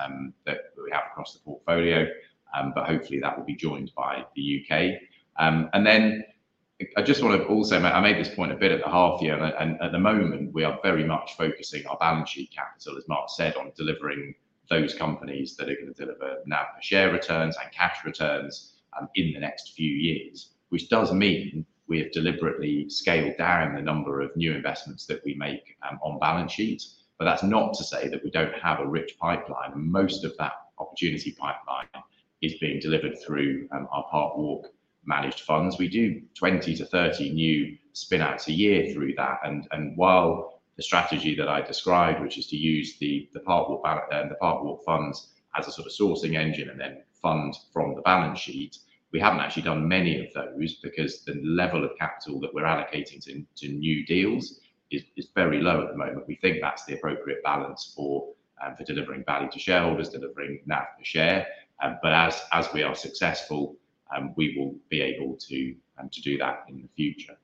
that we have across the portfolio. Hopefully, that will be joined by the U.K. I just want to also make I made this point a bit at the half year. At the moment, we are very much focusing our balance sheet capital, as Mark said, on delivering those companies that are going to deliver NAV per share returns and cash returns in the next few years, which does mean we have deliberately scaled down the number of new investments that we make on balance sheet. That is not to say that we do not have a rich pipeline. Most of that opportunity pipeline is being delivered through our Park Walk managed funds. We do 20-30 new spinouts a year through that. While the strategy that I described, which is to use the Park Walk funds as a sort of sourcing engine and then fund from the balance sheet, we haven't actually done many of those because the level of capital that we're allocating to new deals is very low at the moment. We think that's the appropriate balance for delivering value to shareholders, delivering NAV to share. As we are successful, we will be able to do that in the future.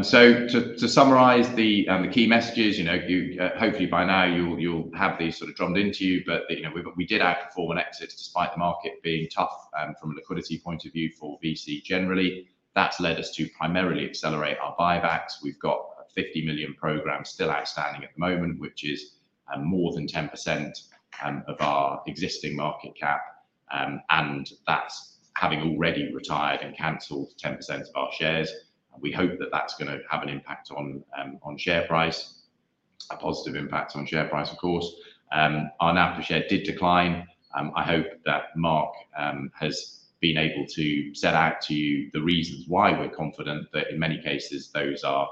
To summarize the key messages, hopefully by now, you'll have these sort of drummed into you. We did outperform on exits despite the market being tough from a liquidity point of view for VC generally. That's led us to primarily accelerate our buybacks. We've got 50 million program still outstanding at the moment, which is more than 10% of our existing market cap. That is having already retired and cancelled 10% of our shares. We hope that is going to have an impact on share price, a positive impact on share price, of course. Our NAV per share did decline. I hope that Mark has been able to set out to you the reasons why we are confident that in many cases, those are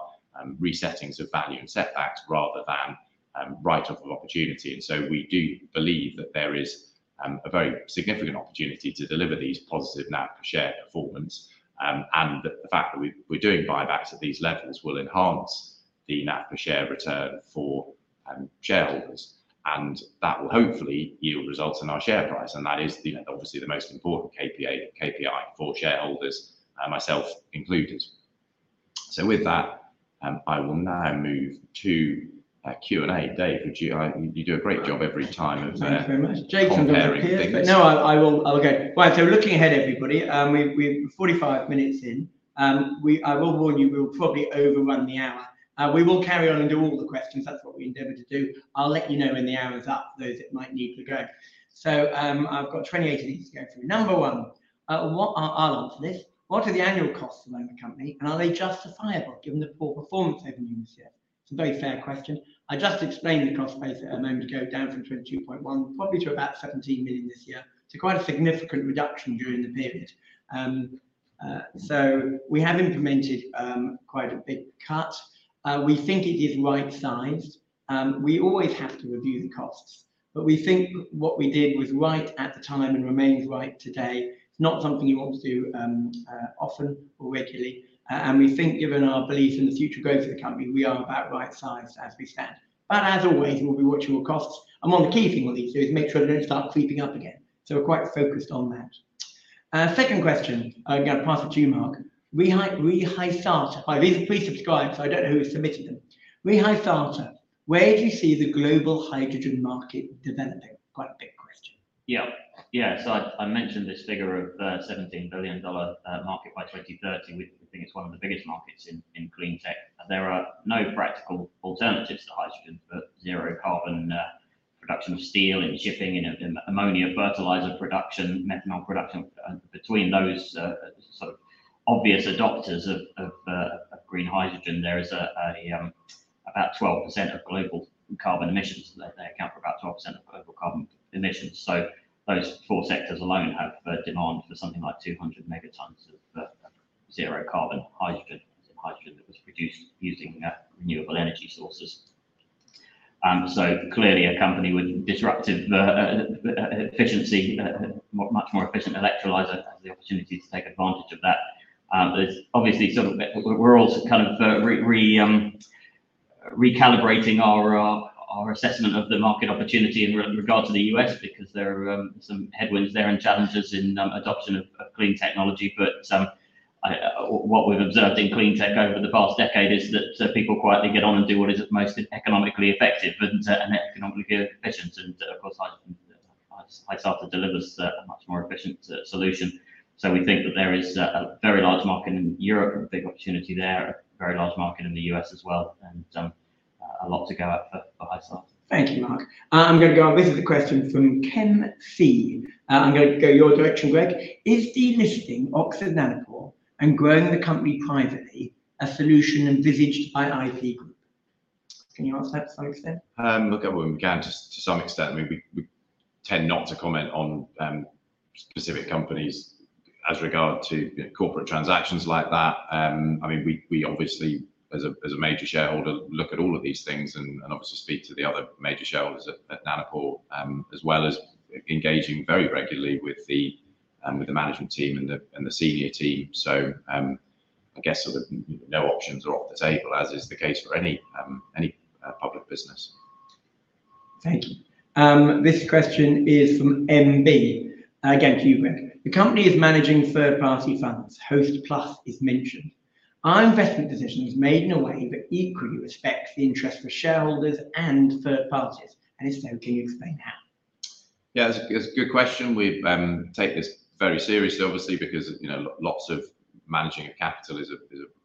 resettings of value and setbacks rather than write-off of opportunity. We do believe that there is a very significant opportunity to deliver these positive NAV per share performance. The fact that we are doing buybacks at these levels will enhance the NAV per share return for shareholders. That will hopefully yield results in our share price. That is obviously the most important KPI for shareholders, myself included. With that, I will now move to Q&A. Dave, you do a great job every time of. Thank you very much. Jason's on the peer review. No, I will. Okay. Right. Looking ahead, everybody, we're 45 minutes in. I will warn you, we'll probably overrun the hour. We will carry on and do all the questions. That's what we endeavor to do. I'll let you know when the hour's up for those that might need to go. I've got 28 minutes to go through. Number one, I'll answer this. What are the annual costs of the company? And are they justifiable given the poor performance over the year? It's a very fair question. I just explained the cost base a moment ago, down from 22.1 million, probably to about 17 million this year. Quite a significant reduction during the period. We have implemented quite a big cut. We think it is right-sized. We always have to review the costs. We think what we did was right at the time and remains right today. It's not something you want to do often or regularly. We think, given our belief in the future growth of the company, we are about right-sized as we stand. As always, we'll be watching your costs. One of the key things we'll need to do is make sure they don't start creeping up again. We're quite focused on that. Second question. I'm going to pass it to you, Mark. Hysata. Please subscribe. I don't know who has submitted them. Hysata, where do you see the global hydrogen market developing? Quite a big question. Yeah. I mentioned this figure of $17 billion market by 2030. We think it's one of the biggest markets in clean tech. There are no practical alternatives to hydrogen, but zero carbon production of steel and shipping and ammonia fertilizer production, methanol production. Between those sort of obvious adopters of green hydrogen, there is about 12% of global carbon emissions. They account for about 12% of global carbon emissions. Those four sectors alone have demand for something like 200 megatons of zero carbon hydrogen, hydrogen that was produced using renewable energy sources. Clearly, a company with disruptive efficiency, much more efficient electrolyser, has the opportunity to take advantage of that. It is obviously sort of we're all kind of recalibrating our assessment of the market opportunity in regard to the U.S. because there are some headwinds there and challenges in adoption of clean technology. What we've observed in clean tech over the past decade is that people quietly get on and do what is most economically effective and economically efficient. Of course, Hysata delivers a much more efficient solution. We think that there is a very large market in Europe, a big opportunity there, a very large market in the U.S. as well. A lot to go up for Hysata. Thank you, Mark. I'm going to go on. This is a question from Ken C. I'm going to go your direction, Greg. Is delisting Oxford Nanopore and growing the company privately a solution envisaged by IP Group? Can you answer that to some extent? Look, I wouldn't be guaranteed to some extent. I mean, we tend not to comment on specific companies as regard to corporate transactions like that. I mean, we obviously, as a major shareholder, look at all of these things and obviously speak to the other major shareholders at Nanopore, as well as engaging very regularly with the management team and the senior team. I guess sort of no options are off the table, as is the case for any public business. Thank you. This question is from MB. Again, to you, Greg. The company is managing third-party funds. Hostplus is mentioned. Are investment decisions made in a way that equally respects the interests of shareholders and third parties? If so, can you explain how? Yeah, that's a good question. We take this very seriously, obviously, because lots of managing of capital is a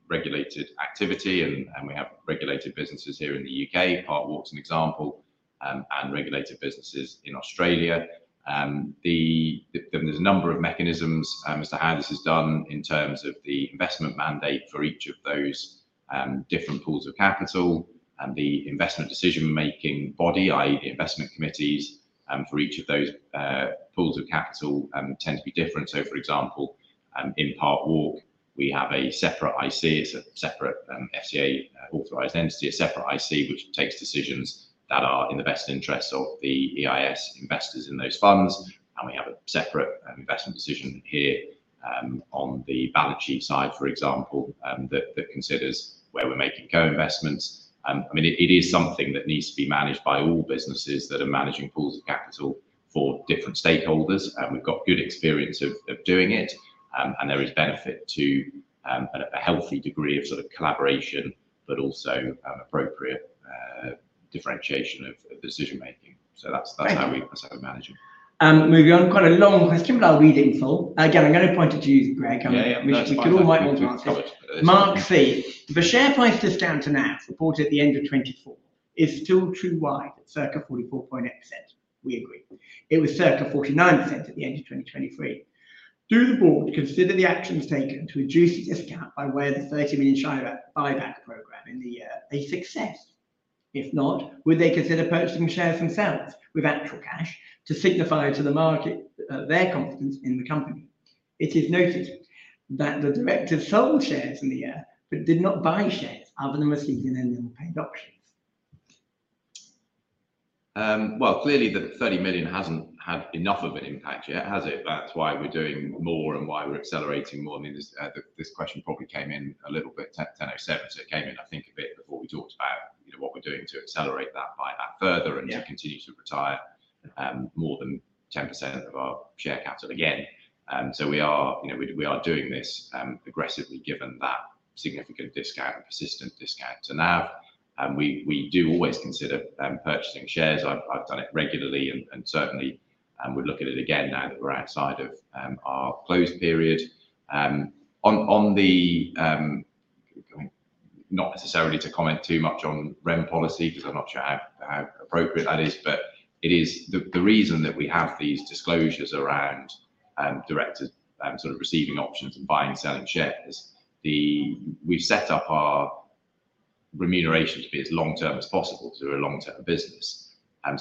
regulated activity. We have regulated businesses here in the U.K., Park Walk is an example, and regulated businesses in Australia. There's a number of mechanisms as to how this is done in terms of the investment mandate for each of those different pools of capital. The investment decision-making body, i.e., the investment committees for each of those pools of capital, tend to be different. For example, in Park Walk, we have a separate IC. It's a separate FCA authorised entity, a separate IC, which takes decisions that are in the best interests of the EIS investors in those funds. We have a separate investment decision here on the balance sheet side, for example, that considers where we're making co-investments. I mean, it is something that needs to be managed by all businesses that are managing pools of capital for different stakeholders. We've got good experience of doing it. There is benefit to a healthy degree of sort of collaboration, but also appropriate differentiation of decision-making. That is how we manage it. Moving on. Quite a long question, but I'll read it in full. Again, I'm going to point it to you, Greg. We could all might want to answer. Mark C, the share price discount announced, reported at the end of 2024, is still too wide at circa 44.8%. We agree. It was circa 49% at the end of 2023. Do the board consider the actions taken to reduce the discount by way of the 30 million share buyback program in the year a success? If not, would they consider purchasing shares themselves with actual cash to signify to the market their confidence in the company? It is noted that the director sold shares in the year but did not buy shares other than received in their normal paid options. Clearly, the 30 million has not had enough of an impact yet, has it? That's why we're doing more and why we're accelerating more. I mean, this question probably came in a little bit 10:07 A.M.. It came in, I think, a bit before we talked about what we're doing to accelerate that buyback further and to continue to retire more than 10% of our share capital again. We are doing this aggressively given that significant discount and persistent discount to NAV. We do always consider purchasing shares. I've done it regularly. Certainly, we're looking at it again now that we're outside of our close period. Not necessarily to comment too much on REM policy because I'm not sure how appropriate that is. The reason that we have these disclosures around directors sort of receiving options and buying and selling shares, we've set up our remuneration to be as long-term as possible to a long-term business.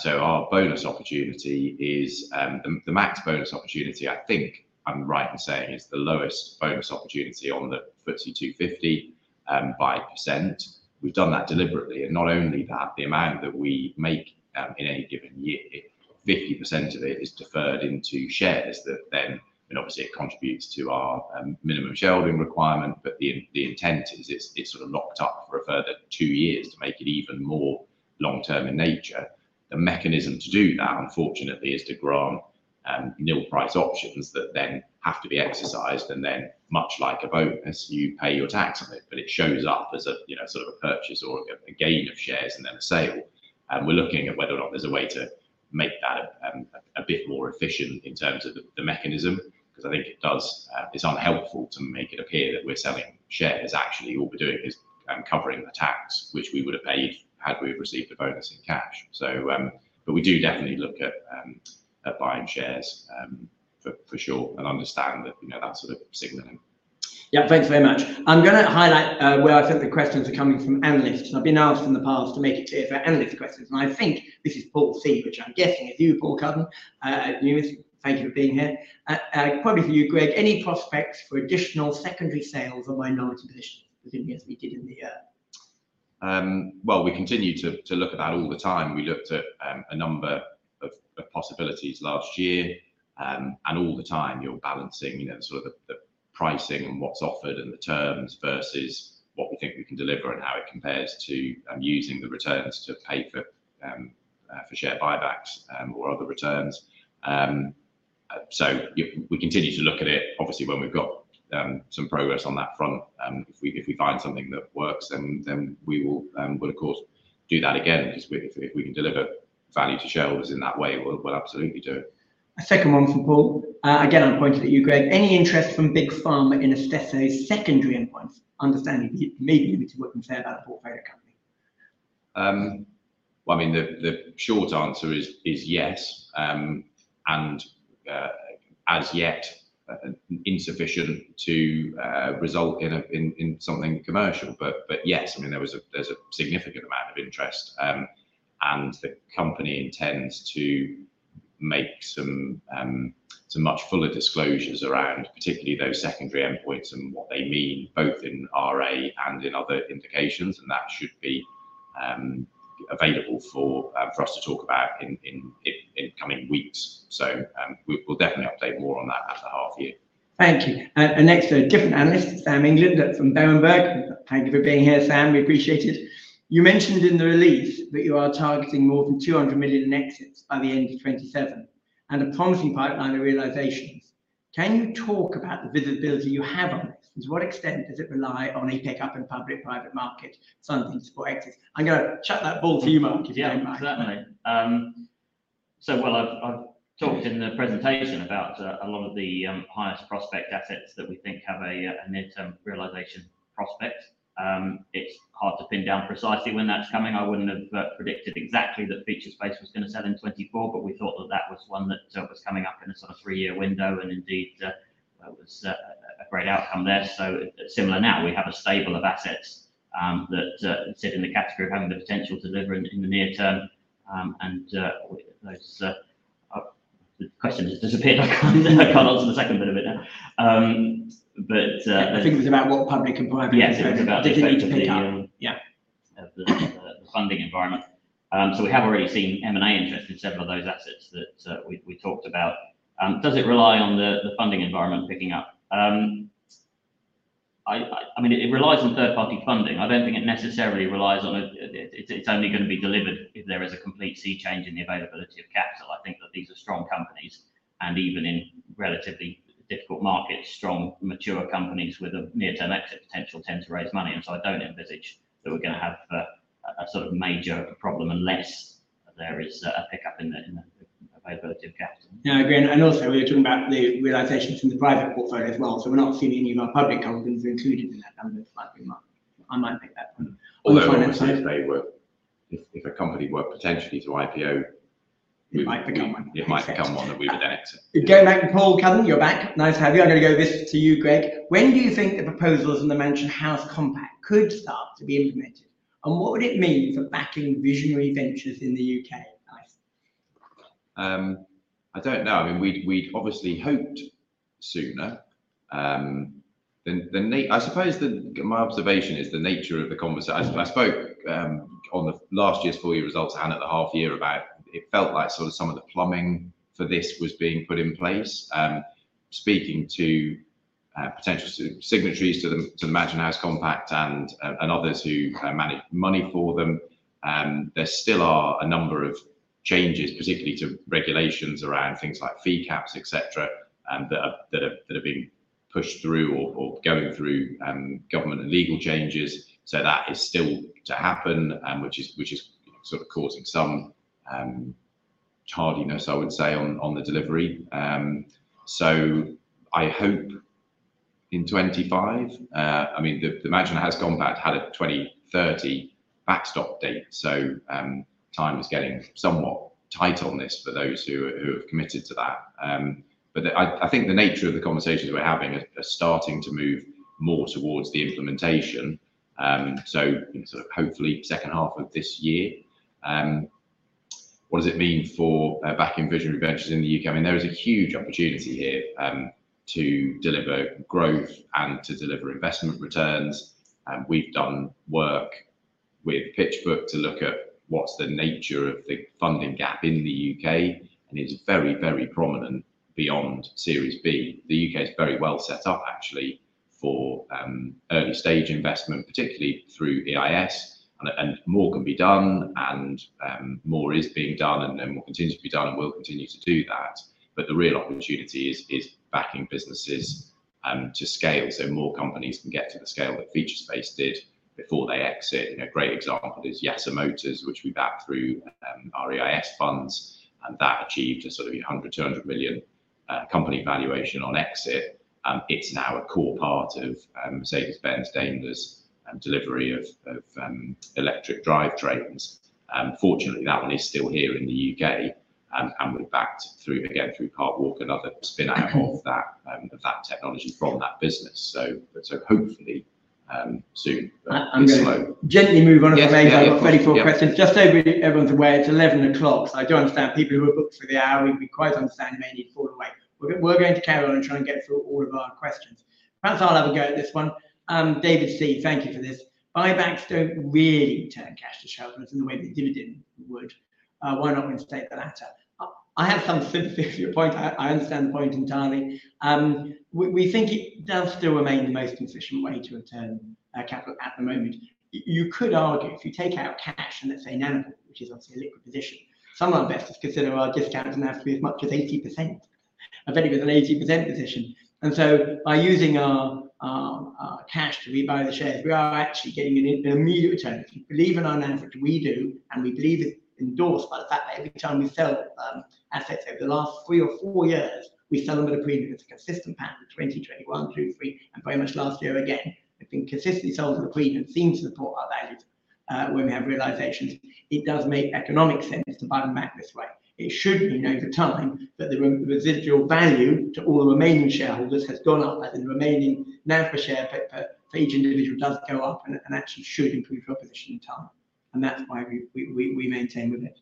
Our bonus opportunity is the max bonus opportunity, I think I'm right in saying is the lowest bonus opportunity on the FTSE 250 by %. We've done that deliberately. Not only that, the amount that we make in any given year, 50% of it is deferred into shares that then obviously it contributes to our minimum shelving requirement. The intent is it's sort of locked up for a further two years to make it even more long-term in nature. The mechanism to do that, unfortunately, is to grant nil price options that then have to be exercised. Much like a bonus, you pay your tax on it. It shows up as sort of a purchase or a gain of shares and then a sale. We are looking at whether or not there is a way to make that a bit more efficient in terms of the mechanism because I think it is unhelpful to make it appear that we are selling shares. Actually, all we are doing is covering the tax, which we would have paid had we received the bonus in cash. We do definitely look at buying shares for sure and understand that that is sort of signaling. Yeah. Thanks very much. I am going to highlight where I think the questions are coming from analysts. I have been asked in the past to make it clear for analyst questions. I think this is Paul C, which I am guessing is you, Paul Cudden at Numis. Thank you for being here. Probably for you, Greg, any prospects for additional secondary sales or minority positions as we did in the year? We continue to look at that all the time. We looked at a number of possibilities last year. All the time, you're balancing sort of the pricing and what's offered and the terms versus what we think we can deliver and how it compares to using the returns to pay for share buybacks or other returns. We continue to look at it. Obviously, when we've got some progress on that front, if we find something that works, then we will, of course, do that again. If we can deliver value to shareholders in that way, we'll absolutely do it. A second one from Paul. Again, I'll point it at you, Greg. Any interest from Big Pharma in Istesso's secondary endpoints? Understanding maybe limited what you can say about a portfolio company. I mean, the short answer is yes. As yet, insufficient to result in something commercial. Yes, I mean, there is a significant amount of interest. The company intends to make some much fuller disclosures around particularly those secondary endpoints and what they mean, both in RA and in other indications. That should be available for us to talk about in coming weeks. We will definitely update more on that after half year. Thank you. Next, a different analyst, Sam England from Berenberg. Thank you for being here, Sam. We appreciate it. You mentioned in the release that you are targeting more than $200 million in exits by the end of 2027 and a promising pipeline of realisations. Can you talk about the visibility you have on this? To what extent does it rely on a pickup in public-private market funding for exits? I'm going to chuck that ball to you, Mark, if you don't mind. Yeah, absolutely. I talked in the presentation about a lot of the highest prospect assets that we think have a near-term realisation prospect. It's hard to pin down precisely when that's coming. I wouldn't have predicted exactly that Featurespace was going to sell in 2024. We thought that that was one that was coming up in a sort of three-year window. Indeed, that was a great outcome there. Similar now, we have a stable of assets that sit in the category of having the potential to deliver in the near term. The question has disappeared. I can't answer the second bit of it now. I think it was about what public and private investors did they need to pick up. Yeah. Of the funding environment. We have already seen M&A interest in several of those assets that we talked about. Does it rely on the funding environment picking up? I mean, it relies on third-party funding. I do not think it necessarily relies on it only going to be delivered if there is a complete sea change in the availability of capital. I think that these are strong companies. Even in relatively difficult markets, strong, mature companies with a near-term exit potential tend to raise money. I do not envisage that we are going to have a sort of major problem unless there is a pickup in the availability of capital. No, I agree. Also, we were talking about the realisations in the private portfolio as well. We are not seeing any of our public companies included in that number. I might pick that one. Or the finance side. If a company were potentially to IPO, it might become one. It might become one that we would exit. Go back to Paul Cudden. You're back. Nice to have you. I'm going to go this to you, Greg. When do you think the proposals in the Mansion House Compact could start to be implemented? What would it mean for backing visionary ventures in the U.K.? I don't know. I mean, we'd obviously hoped sooner. I suppose my observation is the nature of the conversation. I spoke on the last year's four-year results, Hannah, the half year about it felt like sort of some of the plumbing for this was being put in place. Speaking to potential signatories to the Mansion House Compact and others who manage money for them, there still are a number of changes, particularly to regulations around things like fee caps, etc., that have been pushed through or going through government and legal changes. That is still to happen, which is sort of causing some tardiness, I would say, on the delivery. I hope in 2025, I mean, the Mansion House Compact had a 2030 backstop date. Time is getting somewhat tight on this for those who have committed to that. I think the nature of the conversations we're having are starting to move more towards the implementation. Hopefully, second half of this year. What does it mean for backing visionary ventures in the U.K.? I mean, there is a huge opportunity here to deliver growth and to deliver investment returns. We've done work with PitchBook to look at what's the nature of the funding gap in the U.K. It is very, very prominent beyond Series B. The U.K. is very well set up, actually, for early-stage investment, particularly through EIS. More can be done. More is being done. More continues to be done. We will continue to do that. The real opportunity is backing businesses to scale so more companies can get to the scale that Featurespace did before they exit. A great example is YASA Motors, which we backed through our EIS funds. That achieved a sort of $100 million-$200 million company valuation on exit. It is now a core part of Mercedes-Benz, Daimler's delivery of electric drivetrains. Fortunately, that one is still here in the U.K. We are backed through, again, through Park Walk and another spin-out of that technology from that business. Hopefully soon. Gently move on to the remainder of the 34 questions. Just so everyone's aware, it's 11:00 A.M. I do understand people who are booked for the hour, we quite understand they need to fall away. We're going to carry on and try and get through all of our questions. Perhaps I'll have a go at this one. David C, thank you for this. Buybacks don't really turn cash to shelters in the way that dividend would. Why not instead the latter? I have some sympathy for your point. I understand the point entirely. We think it does still remain the most efficient way to return capital at the moment. You could argue, if you take out cash and let's say Oxford Nanopore, which is obviously a liquid position, some of our investors consider our discounts and have to be as much as 80%. I bet you with an 80% position. By using our cash to rebuy the shares, we are actually getting an immediate return. If you believe in our analysis, we do. We believe it is endorsed by the fact that every time we sell assets over the last three or four years, we sell them at a premium. It is a consistent pattern in 2021 through 2023. Very much last year again. We have been consistently sold at a premium seen to support our values when we have realisations. It does make economic sense to buy them back this way. It should be over time. The residual value to all the remaining shareholders has gone up. The remaining NAV per share for each individual does go up and actually should improve your position in time. That is why we maintain with it.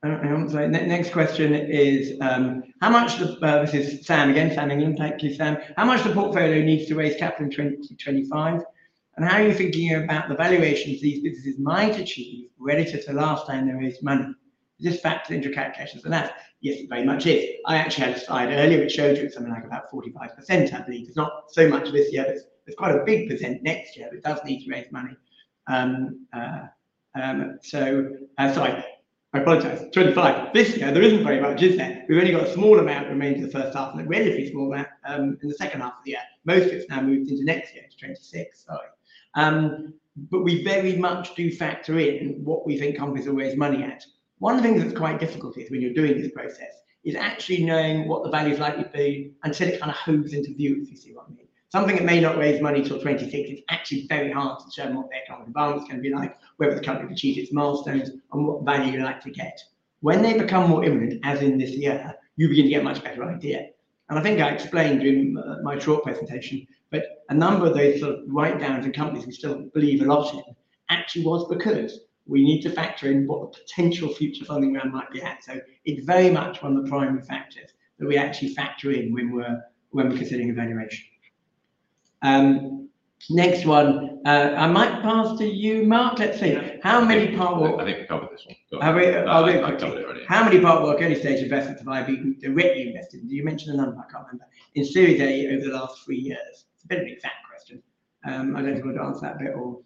Next question is, how much does—this is Sam again, Sam England. Thank you, Sam. How much does the portfolio need to raise capital in 2025? How are you thinking about the valuations these businesses might achieve relative to last time they raised money? Is this factored into calculations? Yes, it very much is. I actually had a slide earlier which showed you it's something like about 45%, I believe. It's not so much this year. There's quite a big percent next year. It does need to raise money. Sorry. I apologize. 2025. This year, there isn't very much, is there? We've only got a small amount remaining for the first half and a relatively small amount in the second half of the year. Most of it's now moved into next year, into 2026. Sorry. We very much do factor in what we think companies will raise money at. One of the things that's quite difficult is when you're doing this process is actually knowing what the value is likely to be until it kind of hoves into view, if you see what I mean. Something that may not raise money till 2026, it's actually very hard to determine what the economic advance is going to be like, whether the company achieves its milestones, and what value you're likely to get. When they become more imminent, as in this year, you begin to get a much better idea. I think I explained in my short presentation. A number of those sort of write-downs and companies we still believe a lot in actually was because we need to factor in what the potential future funding round might be at. It is very much one of the primary factors that we actually factor in when we're considering evaluation. Next one. I might pass to you, Mark. Let's see. I think we've covered this one. I think we've covered it already. How many Park Walk early-stage investments have I readily invested in? You mentioned a number. I can't remember. In Series A over the last three years? It's a bit of an exact question. I don't know if you want to answer that bit or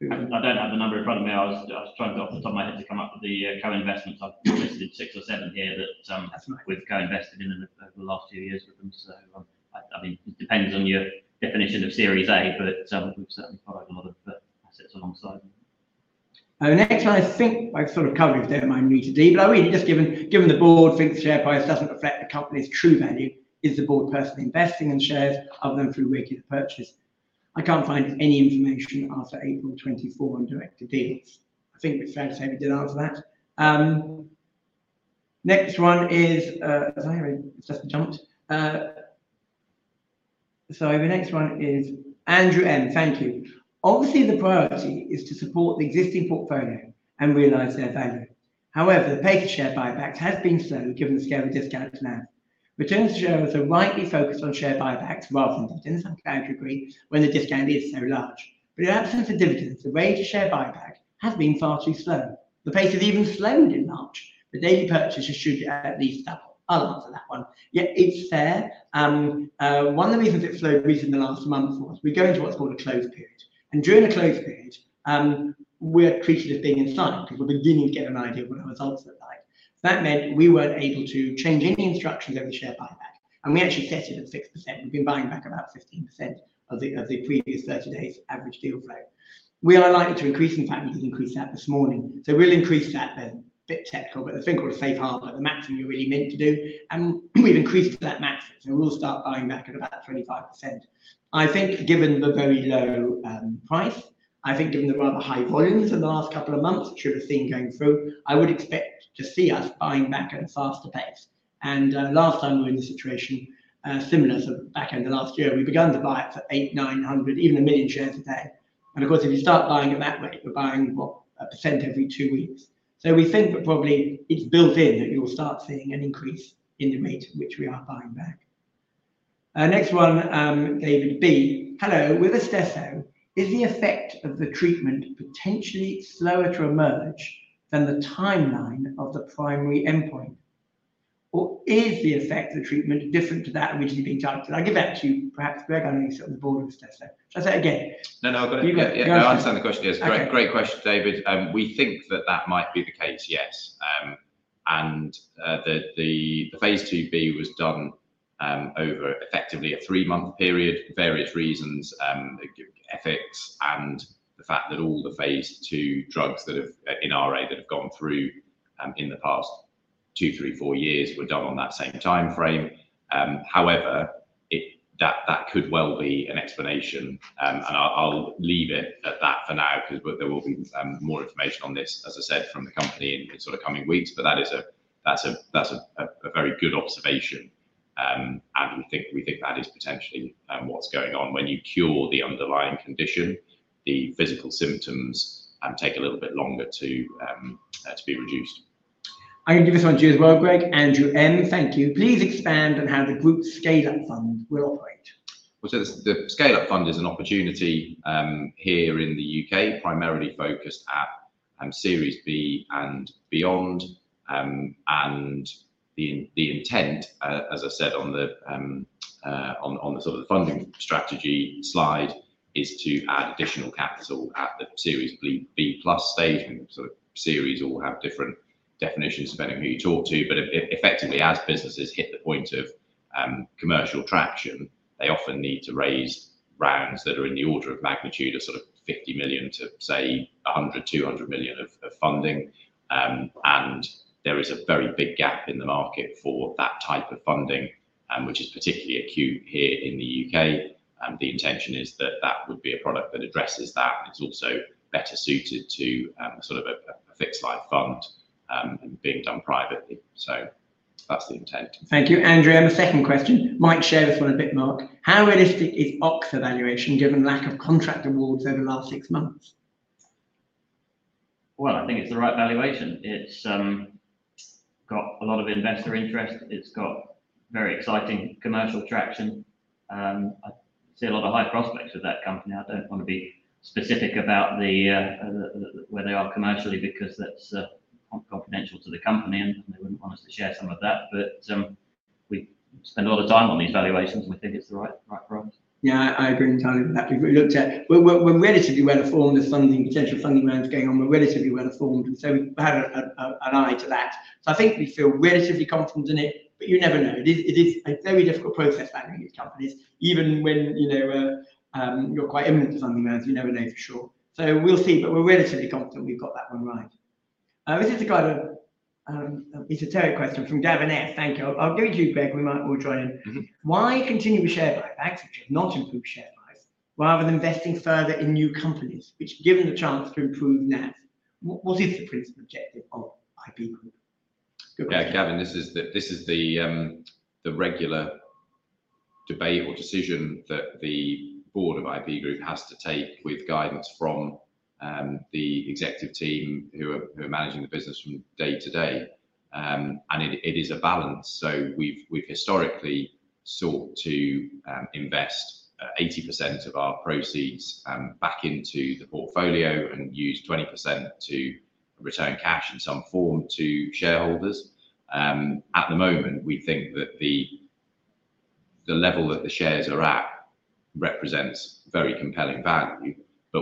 who. I don't have the number in front of me. I was trying to off the top of my head to come up with the co-investments. I've listed six or seven here that we've co-invested in over the last few years with them. I mean, it depends on your definition of Series A. But we've certainly put a lot of assets alongside. The next one, I think I've sort of covered with that in my meeting today. I really just, given the board thinks the share price doesn't reflect the company's true value, is the board personally investing in shares other than through regular purchase? I can't find any information after April 2024 on direct deals. I think we failed to say we did answer that. The next one is, sorry, I just jumped. Sorry. The next one is Andrew M. Thank you. Obviously, the priority is to support the existing portfolio and realize their value. However, the pace of share buybacks has been slow given the scale of discounts now. Returns to shareholders are rightly focused on share buybacks rather than dividends, like Andrew agreed, when the discount is so large. In the absence of dividends, the rate of share buyback has been far too slow. The pace has even slowed in March. The daily purchase should at least double. I'll answer that one. Yet it's fair. One of the reasons it slowed recently in the last month was we're going to what's called a close period. During the close period, we're treated as being in silent. People are beginning to get an idea of what our results look like. That meant we weren't able to change any instructions over the share buyback. We actually set it at 6%. We've been buying back about 15% of the previous 30 days' average deal flow. We are likely to increase. In fact, we did increase that this morning. We'll increase that. There's a bit technical. There's a thing called a safe harbour, the maximum you're really meant to do. We've increased to that maximum. We'll start buying back at about 25%. I think given the very low price, I think given the rather high volumes in the last couple of months, which we've seen going through, I would expect to see us buying back at a faster pace. Last time, we were in a situation similar to back in the last year. We began to buy it for 800,000, 900,000, even 1 million shares a day. Of course, if you start buying it that way, you're buying what, 1% every two weeks. We think that probably it's built in that you'll start seeing an increase in the rate at which we are buying back. Next one, David Baynes. Hello. With a step through, is the effect of the treatment potentially slower to emerge than the timeline of the primary endpoint? Or is the effect of the treatment different to that originally being targeted? I'll give that to you. Perhaps Greg, I know you sit on the board of STEFCO. Shall I say it again? No, no. I've got it. Yeah. I understand the question. Yes. Great question, David. We think that that might be the case, yes. The phase 2B was done over effectively a three-month period for various reasons, ethics, and the fact that all the phase 2 drugs that have in RA that have gone through in the past two, three, four years were done on that same timeframe. However, that could well be an explanation. I'll leave it at that for now because there will be more information on this, as I said, from the company in sort of coming weeks. That's a very good observation. We think that is potentially what's going on. When you cure the underlying condition, the physical symptoms take a little bit longer to be reduced. I can give this one to you as well, Greg. Andrew M. Thank you. Please expand on how the group scale-up fund will operate. The scale-up fund is an opportunity here in the U.K., primarily focused at Series B and beyond. The intent, as I said on the sort of the funding strategy slide, is to add additional capital at the Series B plus stage. Series all have different definitions depending on who you talk to. Effectively, as businesses hit the point of commercial traction, they often need to raise rounds that are in the order of magnitude of $50 million to, say, $100 million-$200 million of funding. There is a very big gap in the market for that type of funding, which is particularly acute here in the U.K. The intention is that that would be a product that addresses that. It is also better suited to sort of a fixed-life fund and being done privately. That is the intent. Thank you. Andrew M. A second question. Might share this one a bit, Mark. How realistic is Oxa valuation given lack of contract awards over the last six months? I think it is the right valuation. It has got a lot of investor interest. It has got very exciting commercial traction. I see a lot of high prospects with that company. I do not want to be specific about where they are commercially because that is confidential to the company. They would not want us to share some of that. We spend a lot of time on these valuations. We think it's the right price. Yeah. I agree entirely with that. We've looked at we're relatively well-informed of potential funding rounds going on. We're relatively well-informed. We've had an eye to that. I think we feel relatively confident in it. You never know. It is a very difficult process, I think, with companies. Even when you're quite imminent to funding rounds, you never know for sure. We'll see. We're relatively confident we've got that one right. This is a kind of esoteric question from Davin S. Thank you. I'll give it to you, Greg. We might all join in. Why continue with share buybacks, which have not improved share price, rather than investing further in new companies, which give them the chance to improve NAV? What is the principal objective of IP Group? Good question. Yeah. Gavin, this is the regular debate or decision that the board of IP Group has to take with guidance from the executive team who are managing the business from day to day. It is a balance. We've historically sought to invest 80% of our proceeds back into the portfolio and use 20% to return cash in some form to shareholders. At the moment, we think that the level that the shares are at represents very compelling value.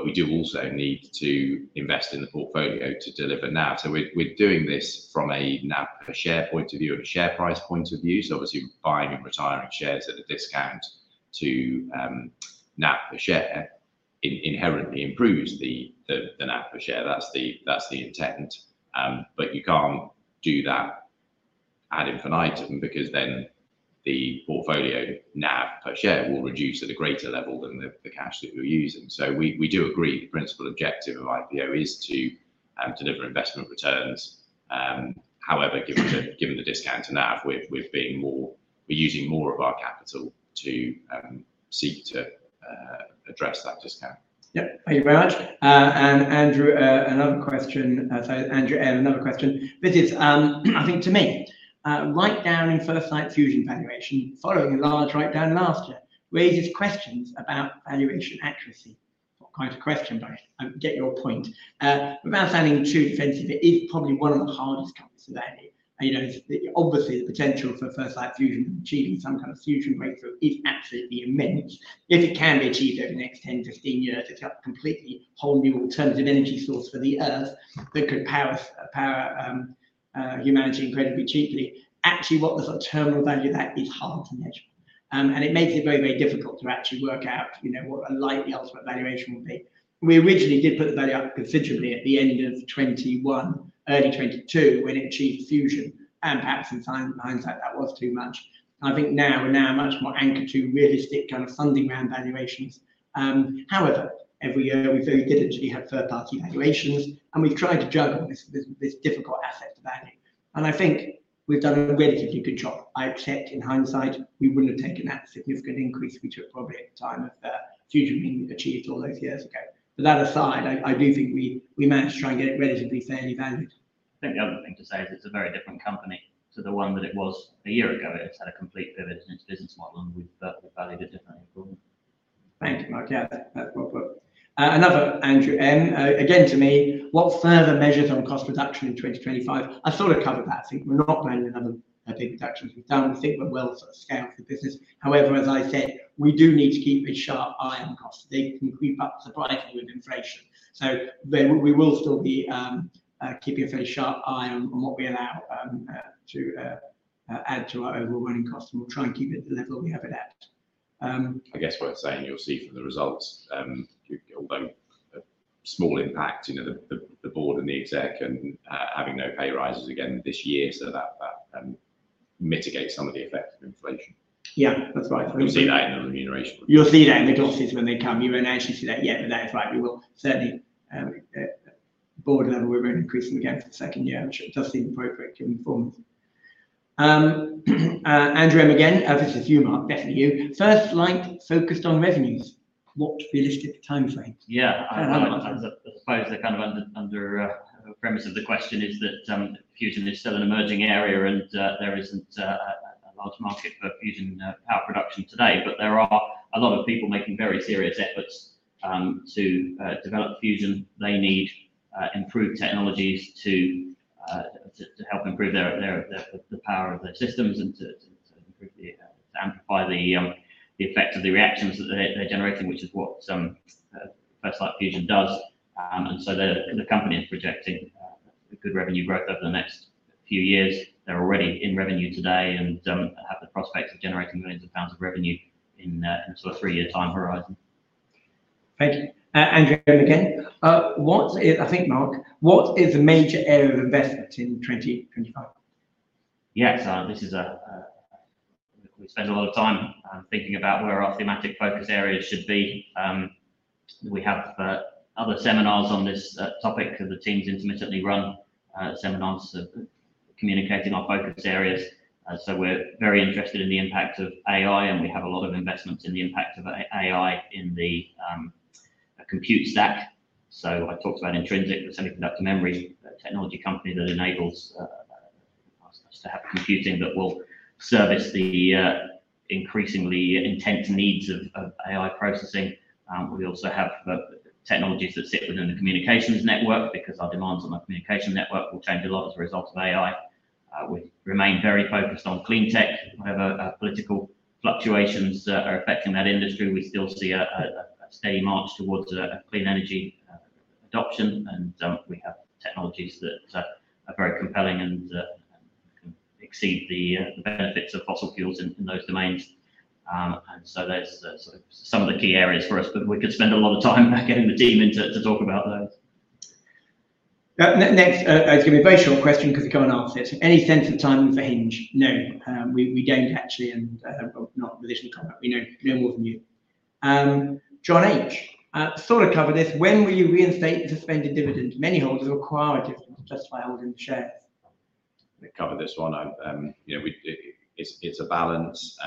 We do also need to invest in the portfolio to deliver NAV. We're doing this from a NAV per share point of view and a share price point of view. Obviously, buying and retiring shares at a discount to NAV per share inherently improves the NAV per share. That's the intent. You can't do that ad infinitum because then the portfolio NAV per share will reduce at a greater level than the cash that you're using. We do agree the principal objective of IP Group is to deliver investment returns. However, given the discount to NAV, we're using more of our capital to seek to address that discount. Yep. Thank you very much. Andrew, another question. Sorry, Andrew M., another question. This is, I think, to me, write-down in First Light Fusion valuation following a large write-down last year raises questions about valuation accuracy. Not quite a question, but I get your point. Without sounding too defensive, it is probably one of the hardest companies of any that obviously the potential for First Light Fusion and achieving some kind of fusion breakthrough is absolutely immense. If it can be achieved over the next 10-15 years, it's a completely whole new alternative energy source for the Earth that could power humanity incredibly cheaply. Actually, what the sort of terminal value of that is hard to measure. It makes it very, very difficult to actually work out what a likely ultimate valuation would be. We originally did put the value up considerably at the end of 2021, early 2022, when it achieved fusion. Perhaps in hindsight, that was too much. I think now we're now much more anchored to realistic kind of funding round valuations. However, every year, we very diligently have third-party valuations. We've tried to juggle this difficult asset to value. I think we've done a relatively good job. I expect in hindsight, we wouldn't have taken that significant increase we took probably at the time of fusion being achieved all those years ago. That aside, I do think we managed to try and get it relatively fairly valued. I think the other thing to say is it's a very different company to the one that it was a year ago. It's had a complete pivot in its business model. We've valued it differently. Thank you, Mark. Yeah. That's well put. Another, Andrew M. Again to me, what further measures on cost reduction in 2025? I sort of covered that. I think we're not planning another big reduction to be done. We think we'll well sort of scale up the business. However, as I said, we do need to keep a sharp eye on costs. They can creep up surprisingly with inflation. We will still be keeping a fairly sharp eye on what we allow to add to our overwhelming costs. We'll try and keep it at the level we have it at. I guess what I'm saying you'll see from the results, although a small impact, the board and the exec and having no pay rises again this year. That mitigates some of the effect of inflation. Yeah. That's right. You'll see that in the remuneration. You'll see that in the glosses when they come. You won't actually see that yet. That is right. We will certainly, at board level, we won't increase them again for the second year. I'm sure it does seem appropriate to inform. Andrew M. Again, obviously, a few marks. Definitely you. First Light focused on revenues. What realistic timeframe? Yeah. I suppose the kind of premise of the question is that fusion is still an emerging area. There isn't a large market for fusion power production today. There are a lot of people making very serious efforts to develop fusion. They need improved technologies to help improve the power of their systems and to amplify the effect of the reactions that they're generating, which is what First Light Fusion does. The company is projecting good revenue growth over the next few years. They're already in revenue today and have the prospects of generating millions of pounds of revenue in a sort of three-year time horizon. Thank you. Andrew M. Again, I think, Mark, what is the major area of investment in 2025? Yes. We spend a lot of time thinking about where our thematic focus areas should be. We have other seminars on this topic because the teams intermittently run seminars communicating our focus areas. We are very interested in the impact of AI. We have a lot of investments in the impact of AI in the compute stack. I talked about Intrinsic, the semiconductor memory technology company that enables us to have computing that will service the increasingly intense needs of AI processing. We also have technologies that sit within the communications network because our demands on the communication network will change a lot as a result of AI. We remain very focused on clean tech. However, political fluctuations are affecting that industry. We still see a steady march towards clean energy adoption. We have technologies that are very compelling and can exceed the benefits of fossil fuels in those domains. That is sort of some of the key areas for us. We could spend a lot of time getting the team in to talk about those. Next, it's going to be a very short question because we can't answer it. Any sense of time with a hinge? No. We don't actually. And not the additional comment. We know no more than you. John H. sort of covered this. When will you reinstate the suspended dividend? Many holders require a dividend to justify holding the shares. I covered this one. It's a balance.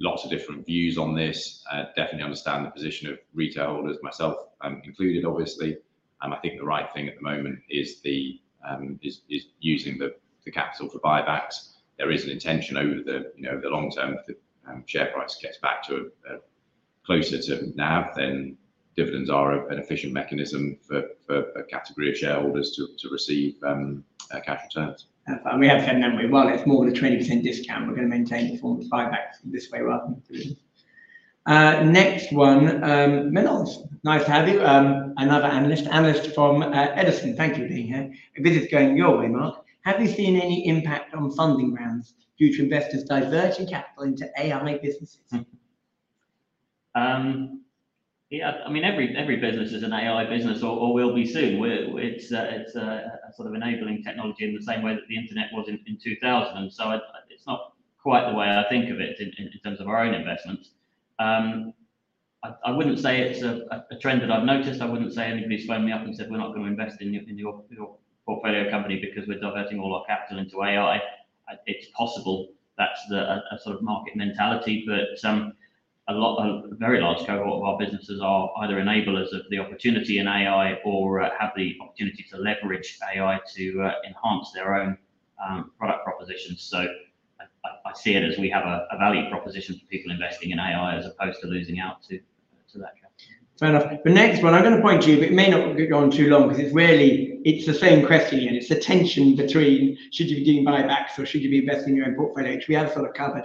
Lots of different views on this. Definitely understand the position of retail holders, myself included, obviously. I think the right thing at the moment is using the capital for buybacks. There is an intention over the long term if the share price gets back to closer to NAV, then dividends are an efficient mechanism for a category of shareholders to receive cash returns. We have said no, it is more than a 20% discount. We are going to maintain the form of buybacks this way rather than dividends. Next one, Milos. Nice to have you. Another analyst from Edison. Thank you for being here. This is going your way, Mark. Have you seen any impact on funding rounds due to investors diverting capital into AI businesses? Yeah. I mean, every business is an AI business or will be soon. It is a sort of enabling technology in the same way that the internet was in 2000. It is not quite the way I think of it in terms of our own investments. I would not say it is a trend that I have noticed. I would not say anybody has phoned me up and said, "We are not going to invest in your portfolio company because we are diverting all our capital into AI." It is possible. That's a sort of market mentality. A very large cohort of our businesses are either enablers of the opportunity in AI or have the opportunity to leverage AI to enhance their own product propositions. I see it as we have a value proposition for people investing in AI as opposed to losing out to that. Fair enough. The next one, I'm going to point to you, but it may not go on too long because it's really the same question here. It's the tension between, should you be doing buybacks or should you be investing in your own portfolio, which we have sort of covered.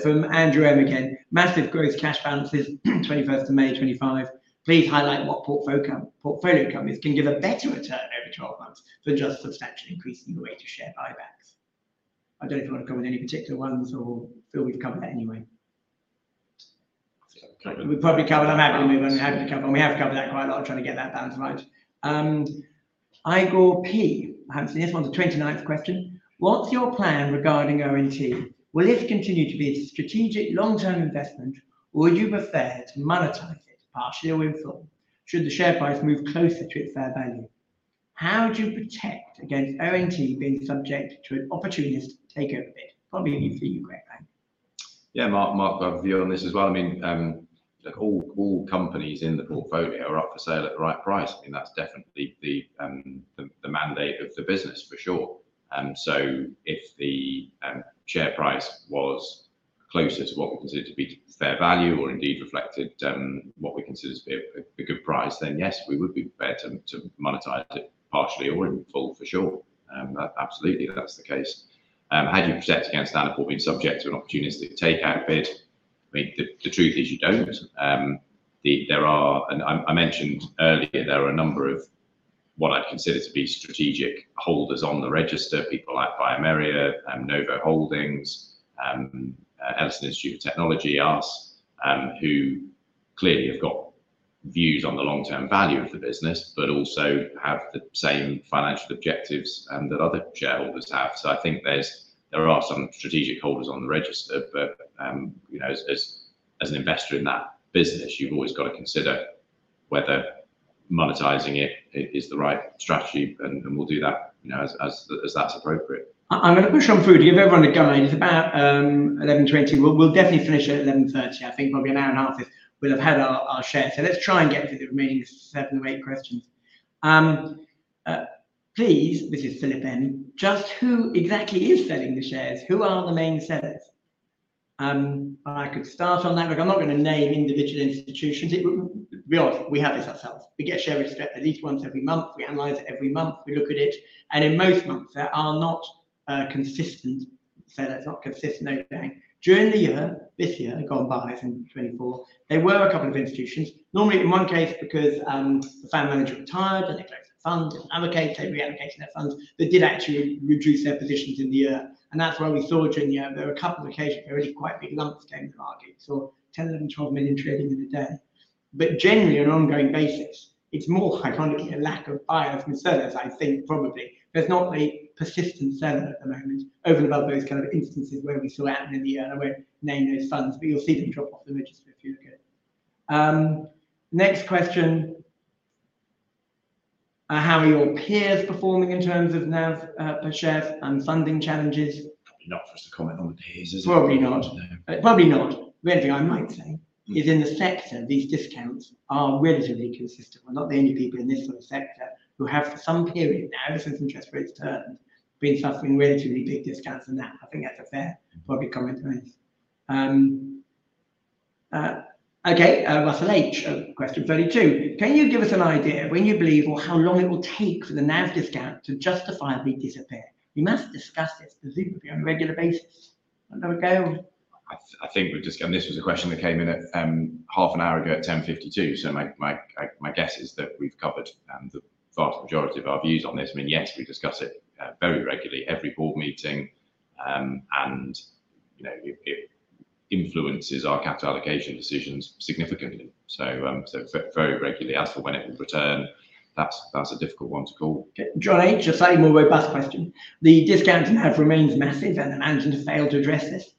From Andrew M. Again, massive growth cash balances 21st of May 2025. Please highlight what portfolio companies can give a better return over 12 months for just substantial increase in the rate of share buybacks. I don't know if you want to come with any particular ones or feel we've covered that anyway. We've probably covered them. I'm happy to move on. We're happy to cover them. We have covered that quite a lot trying to get that balance right. Igor P. Hanson, this one's a 29th question. What's your plan regarding ONT? Will this continue to be a strategic long-term investment? Would you prefer to monetize it partially or in full? Should the share price move closer to its fair value? How do you protect against ONT being subject to an opportunist takeover bid? Probably you've seen your great bank. Yeah. Mark, I have a view on this as well. I mean, all companies in the portfolio are up for sale at the right price. I mean, that's definitely the mandate of the business for sure. If the share price was closer to what we consider to be fair value or indeed reflected what we consider to be a good price, then yes, we would be prepared to monetize it partially or in full for sure. Absolutely, that's the case. How do you protect against Standard Port being subject to an opportunistic takeout bid? I mean, the truth is you don't. I mentioned earlier there are a number of what I'd consider to be strategic holders on the register, people like bioMérieux, Novo Holdings, Ellison Institute of Technology, us, who clearly have got views on the long-term value of the business, but also have the same financial objectives that other shareholders have. I think there are some strategic holders on the register. As an investor in that business, you've always got to consider whether monetizing it is the right strategy. We'll do that as that's appropriate. I'm going to push on through to give everyone a go. It's about 11:20 A.M. We'll definitely finish at 11:30 A.M. I think probably an hour and a half if we'll have had our share. Let's try and get through the remaining seven or eight questions. Please, this is Philip N. Just who exactly is selling the shares? Who are the main sellers? I could start on that. I'm not going to name individual institutions. We have this ourselves. We get share rates at least once every month. We analyze it every month. We look at it. In most months, there are not consistent sellers. Not consistent, no doubt. During the year, this year gone by, I think 2024, there were a couple of institutions. Normally, in one case, because the founder manager retired and they closed the fund and reallocated their funds, they did actually reduce their positions in the year. That is where we saw during the year. There were a couple of occasions. There were really quite big lumps game, I've argued. We saw 10, 11, 12 million trading in a day. Generally, on an ongoing basis, it is more iconically a lack of buyers and sellers, I think, probably. There is not a persistent seller at the moment. Over and above those kind of instances where we saw out in the year where we named those funds. You will see them drop off the register if you look at it. Next question. How are your peers performing in terms of NAV per share and funding challenges? Probably not for us to comment on the peers, is it? Probably not. Probably not. The only thing I might say is in the sector, these discounts are relatively consistent. We're not the only people in this sort of sector who have for some period now, since interest rates turned, been suffering relatively big discounts in NAV. I think that's a fair, probably comment on this. Okay. Russell H., question 32. Can you give us an idea of when you believe or how long it will take for the NAV discount to justifiably disappear? We must discuss this presumably on a regular basis. Another go. I think we've discussed this was a question that came in at half an hour ago at 10:52 A.M. My guess is that we've covered the vast majority of our views on this. I mean, yes, we discuss it very regularly, every board meeting. It influences our capital allocation decisions significantly. Very regularly as for when it will return, that's a difficult one to call. John H., the same or robust question. The discount in NAV remains massive and the management has failed to address this.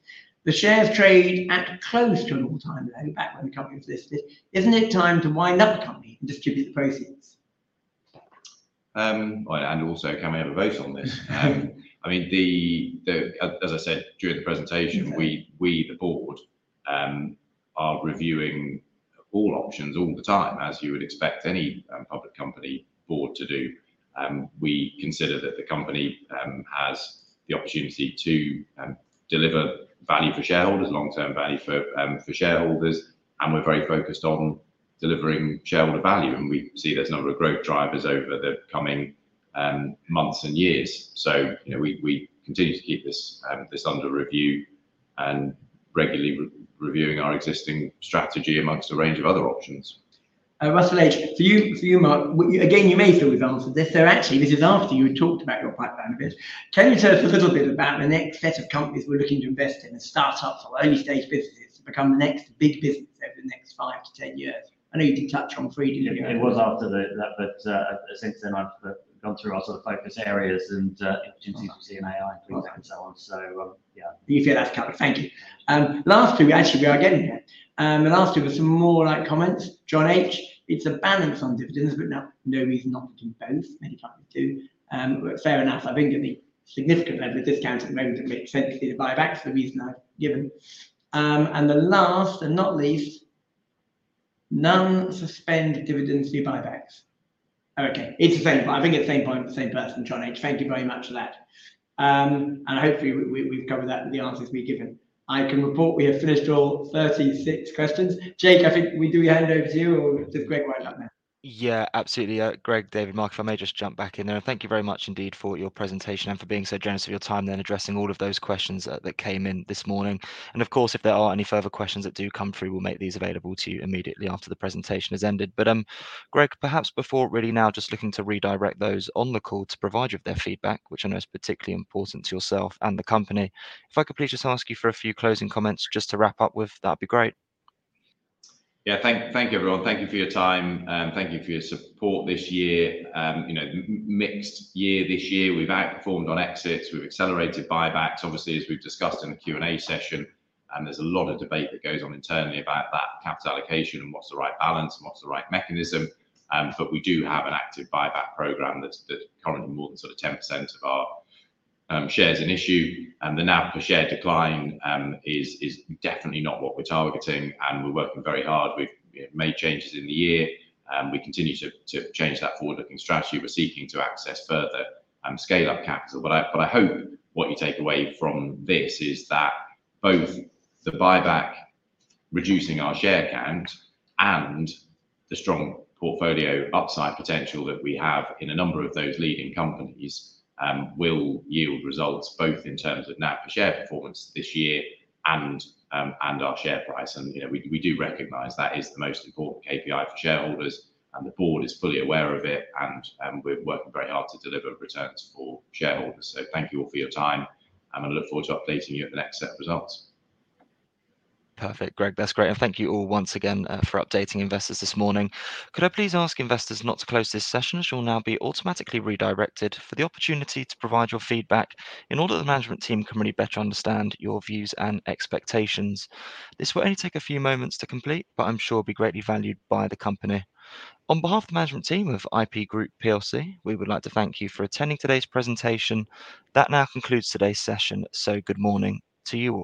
The shares trade at close to an all-time low back when the company was listed. Isn't it time to wind up the company and distribute the proceeds? Also, can we have a vote on this? I mean, as I said during the presentation, we, the board, are reviewing all options all the time, as you would expect any public company board to do. We consider that the company has the opportunity to deliver value for shareholders, long-term value for shareholders. We are very focused on delivering shareholder value. We see there are a number of growth drivers over the coming months and years. We continue to keep this under review and regularly reviewing our existing strategy amongst a range of other options. Russell H., for you, Mark, again, you may feel we've answered this. This is after you had talked about your pipeline a bit. Can you tell us a little bit about the next set of companies we're looking to invest in, the startups or early-stage businesses to become the next big business over the next 5 to 10 years? I know you did touch on 3D, didn't you? It was after that. Since then, I've gone through our sort of focus areas and opportunities to see an AI and things like that and so on. Yeah. You feel that's covered. Thank you. Lastly, we actually are getting there. Lastly, with some more like comments. John H., it's a balance on dividends, but now nobody's not looking both. Many companies do. Fair enough. I think at the significant level of discount at the moment, it makes sense to do the buybacks, the reason I've given. The last and not least, none suspend dividends through buybacks. Okay. It's the same. I think it's the same point with the same person, John H. Thank you very much for that. Hopefully, we've covered that with the answers we've given. I can report we have finished all 36 questions. Jake, I think we do hand over to you or does Greg wind up now? Yeah, absolutely. Greg, David, Mark, if I may just jump back in there. Thank you very much indeed for your presentation and for being so generous of your time then addressing all of those questions that came in this morning. Of course, if there are any further questions that do come through, we'll make these available to you immediately after the presentation has ended. Greg, perhaps before really now just looking to redirect those on the call to provide you with their feedback, which I know is particularly important to yourself and the company. If I could please just ask you for a few closing comments just to wrap up with, that'd be great. Yeah. Thank you, everyone. Thank you for your time. Thank you for your support this year. Mixed year this year. We've outperformed on exits. We've accelerated buybacks, obviously, as we've discussed in the Q&A session. There's a lot of debate that goes on internally about that, capital allocation and what's the right balance and what's the right mechanism. We do have an active buyback program that is currently more than 10% of our shares in issue. The NAV per share decline is definitely not what we're targeting. We're working very hard. We've made changes in the year. We continue to change that forward-looking strategy. We're seeking to access further and scale up capital. I hope what you take away from this is that both the buyback, reducing our share count, and the strong portfolio upside potential that we have in a number of those leading companies will yield results both in terms of NAV per share performance this year and our share price. We do recognize that is the most important KPI for shareholders. The board is fully aware of it. We're working very hard to deliver returns for shareholders. Thank you all for your time. I look forward to updating you at the next set of results. Perfect. Greg, that's great. Thank you all once again for updating investors this morning. Could I please ask investors not to close this session? It will now be automatically redirected for the opportunity to provide your feedback in order that the management team can really better understand your views and expectations. This will only take a few moments to complete, but I'm sure it will be greatly valued by the company. On behalf of the management team of IP Group, we would like to thank you for attending today's presentation. That now concludes today's session. Good morning to you all.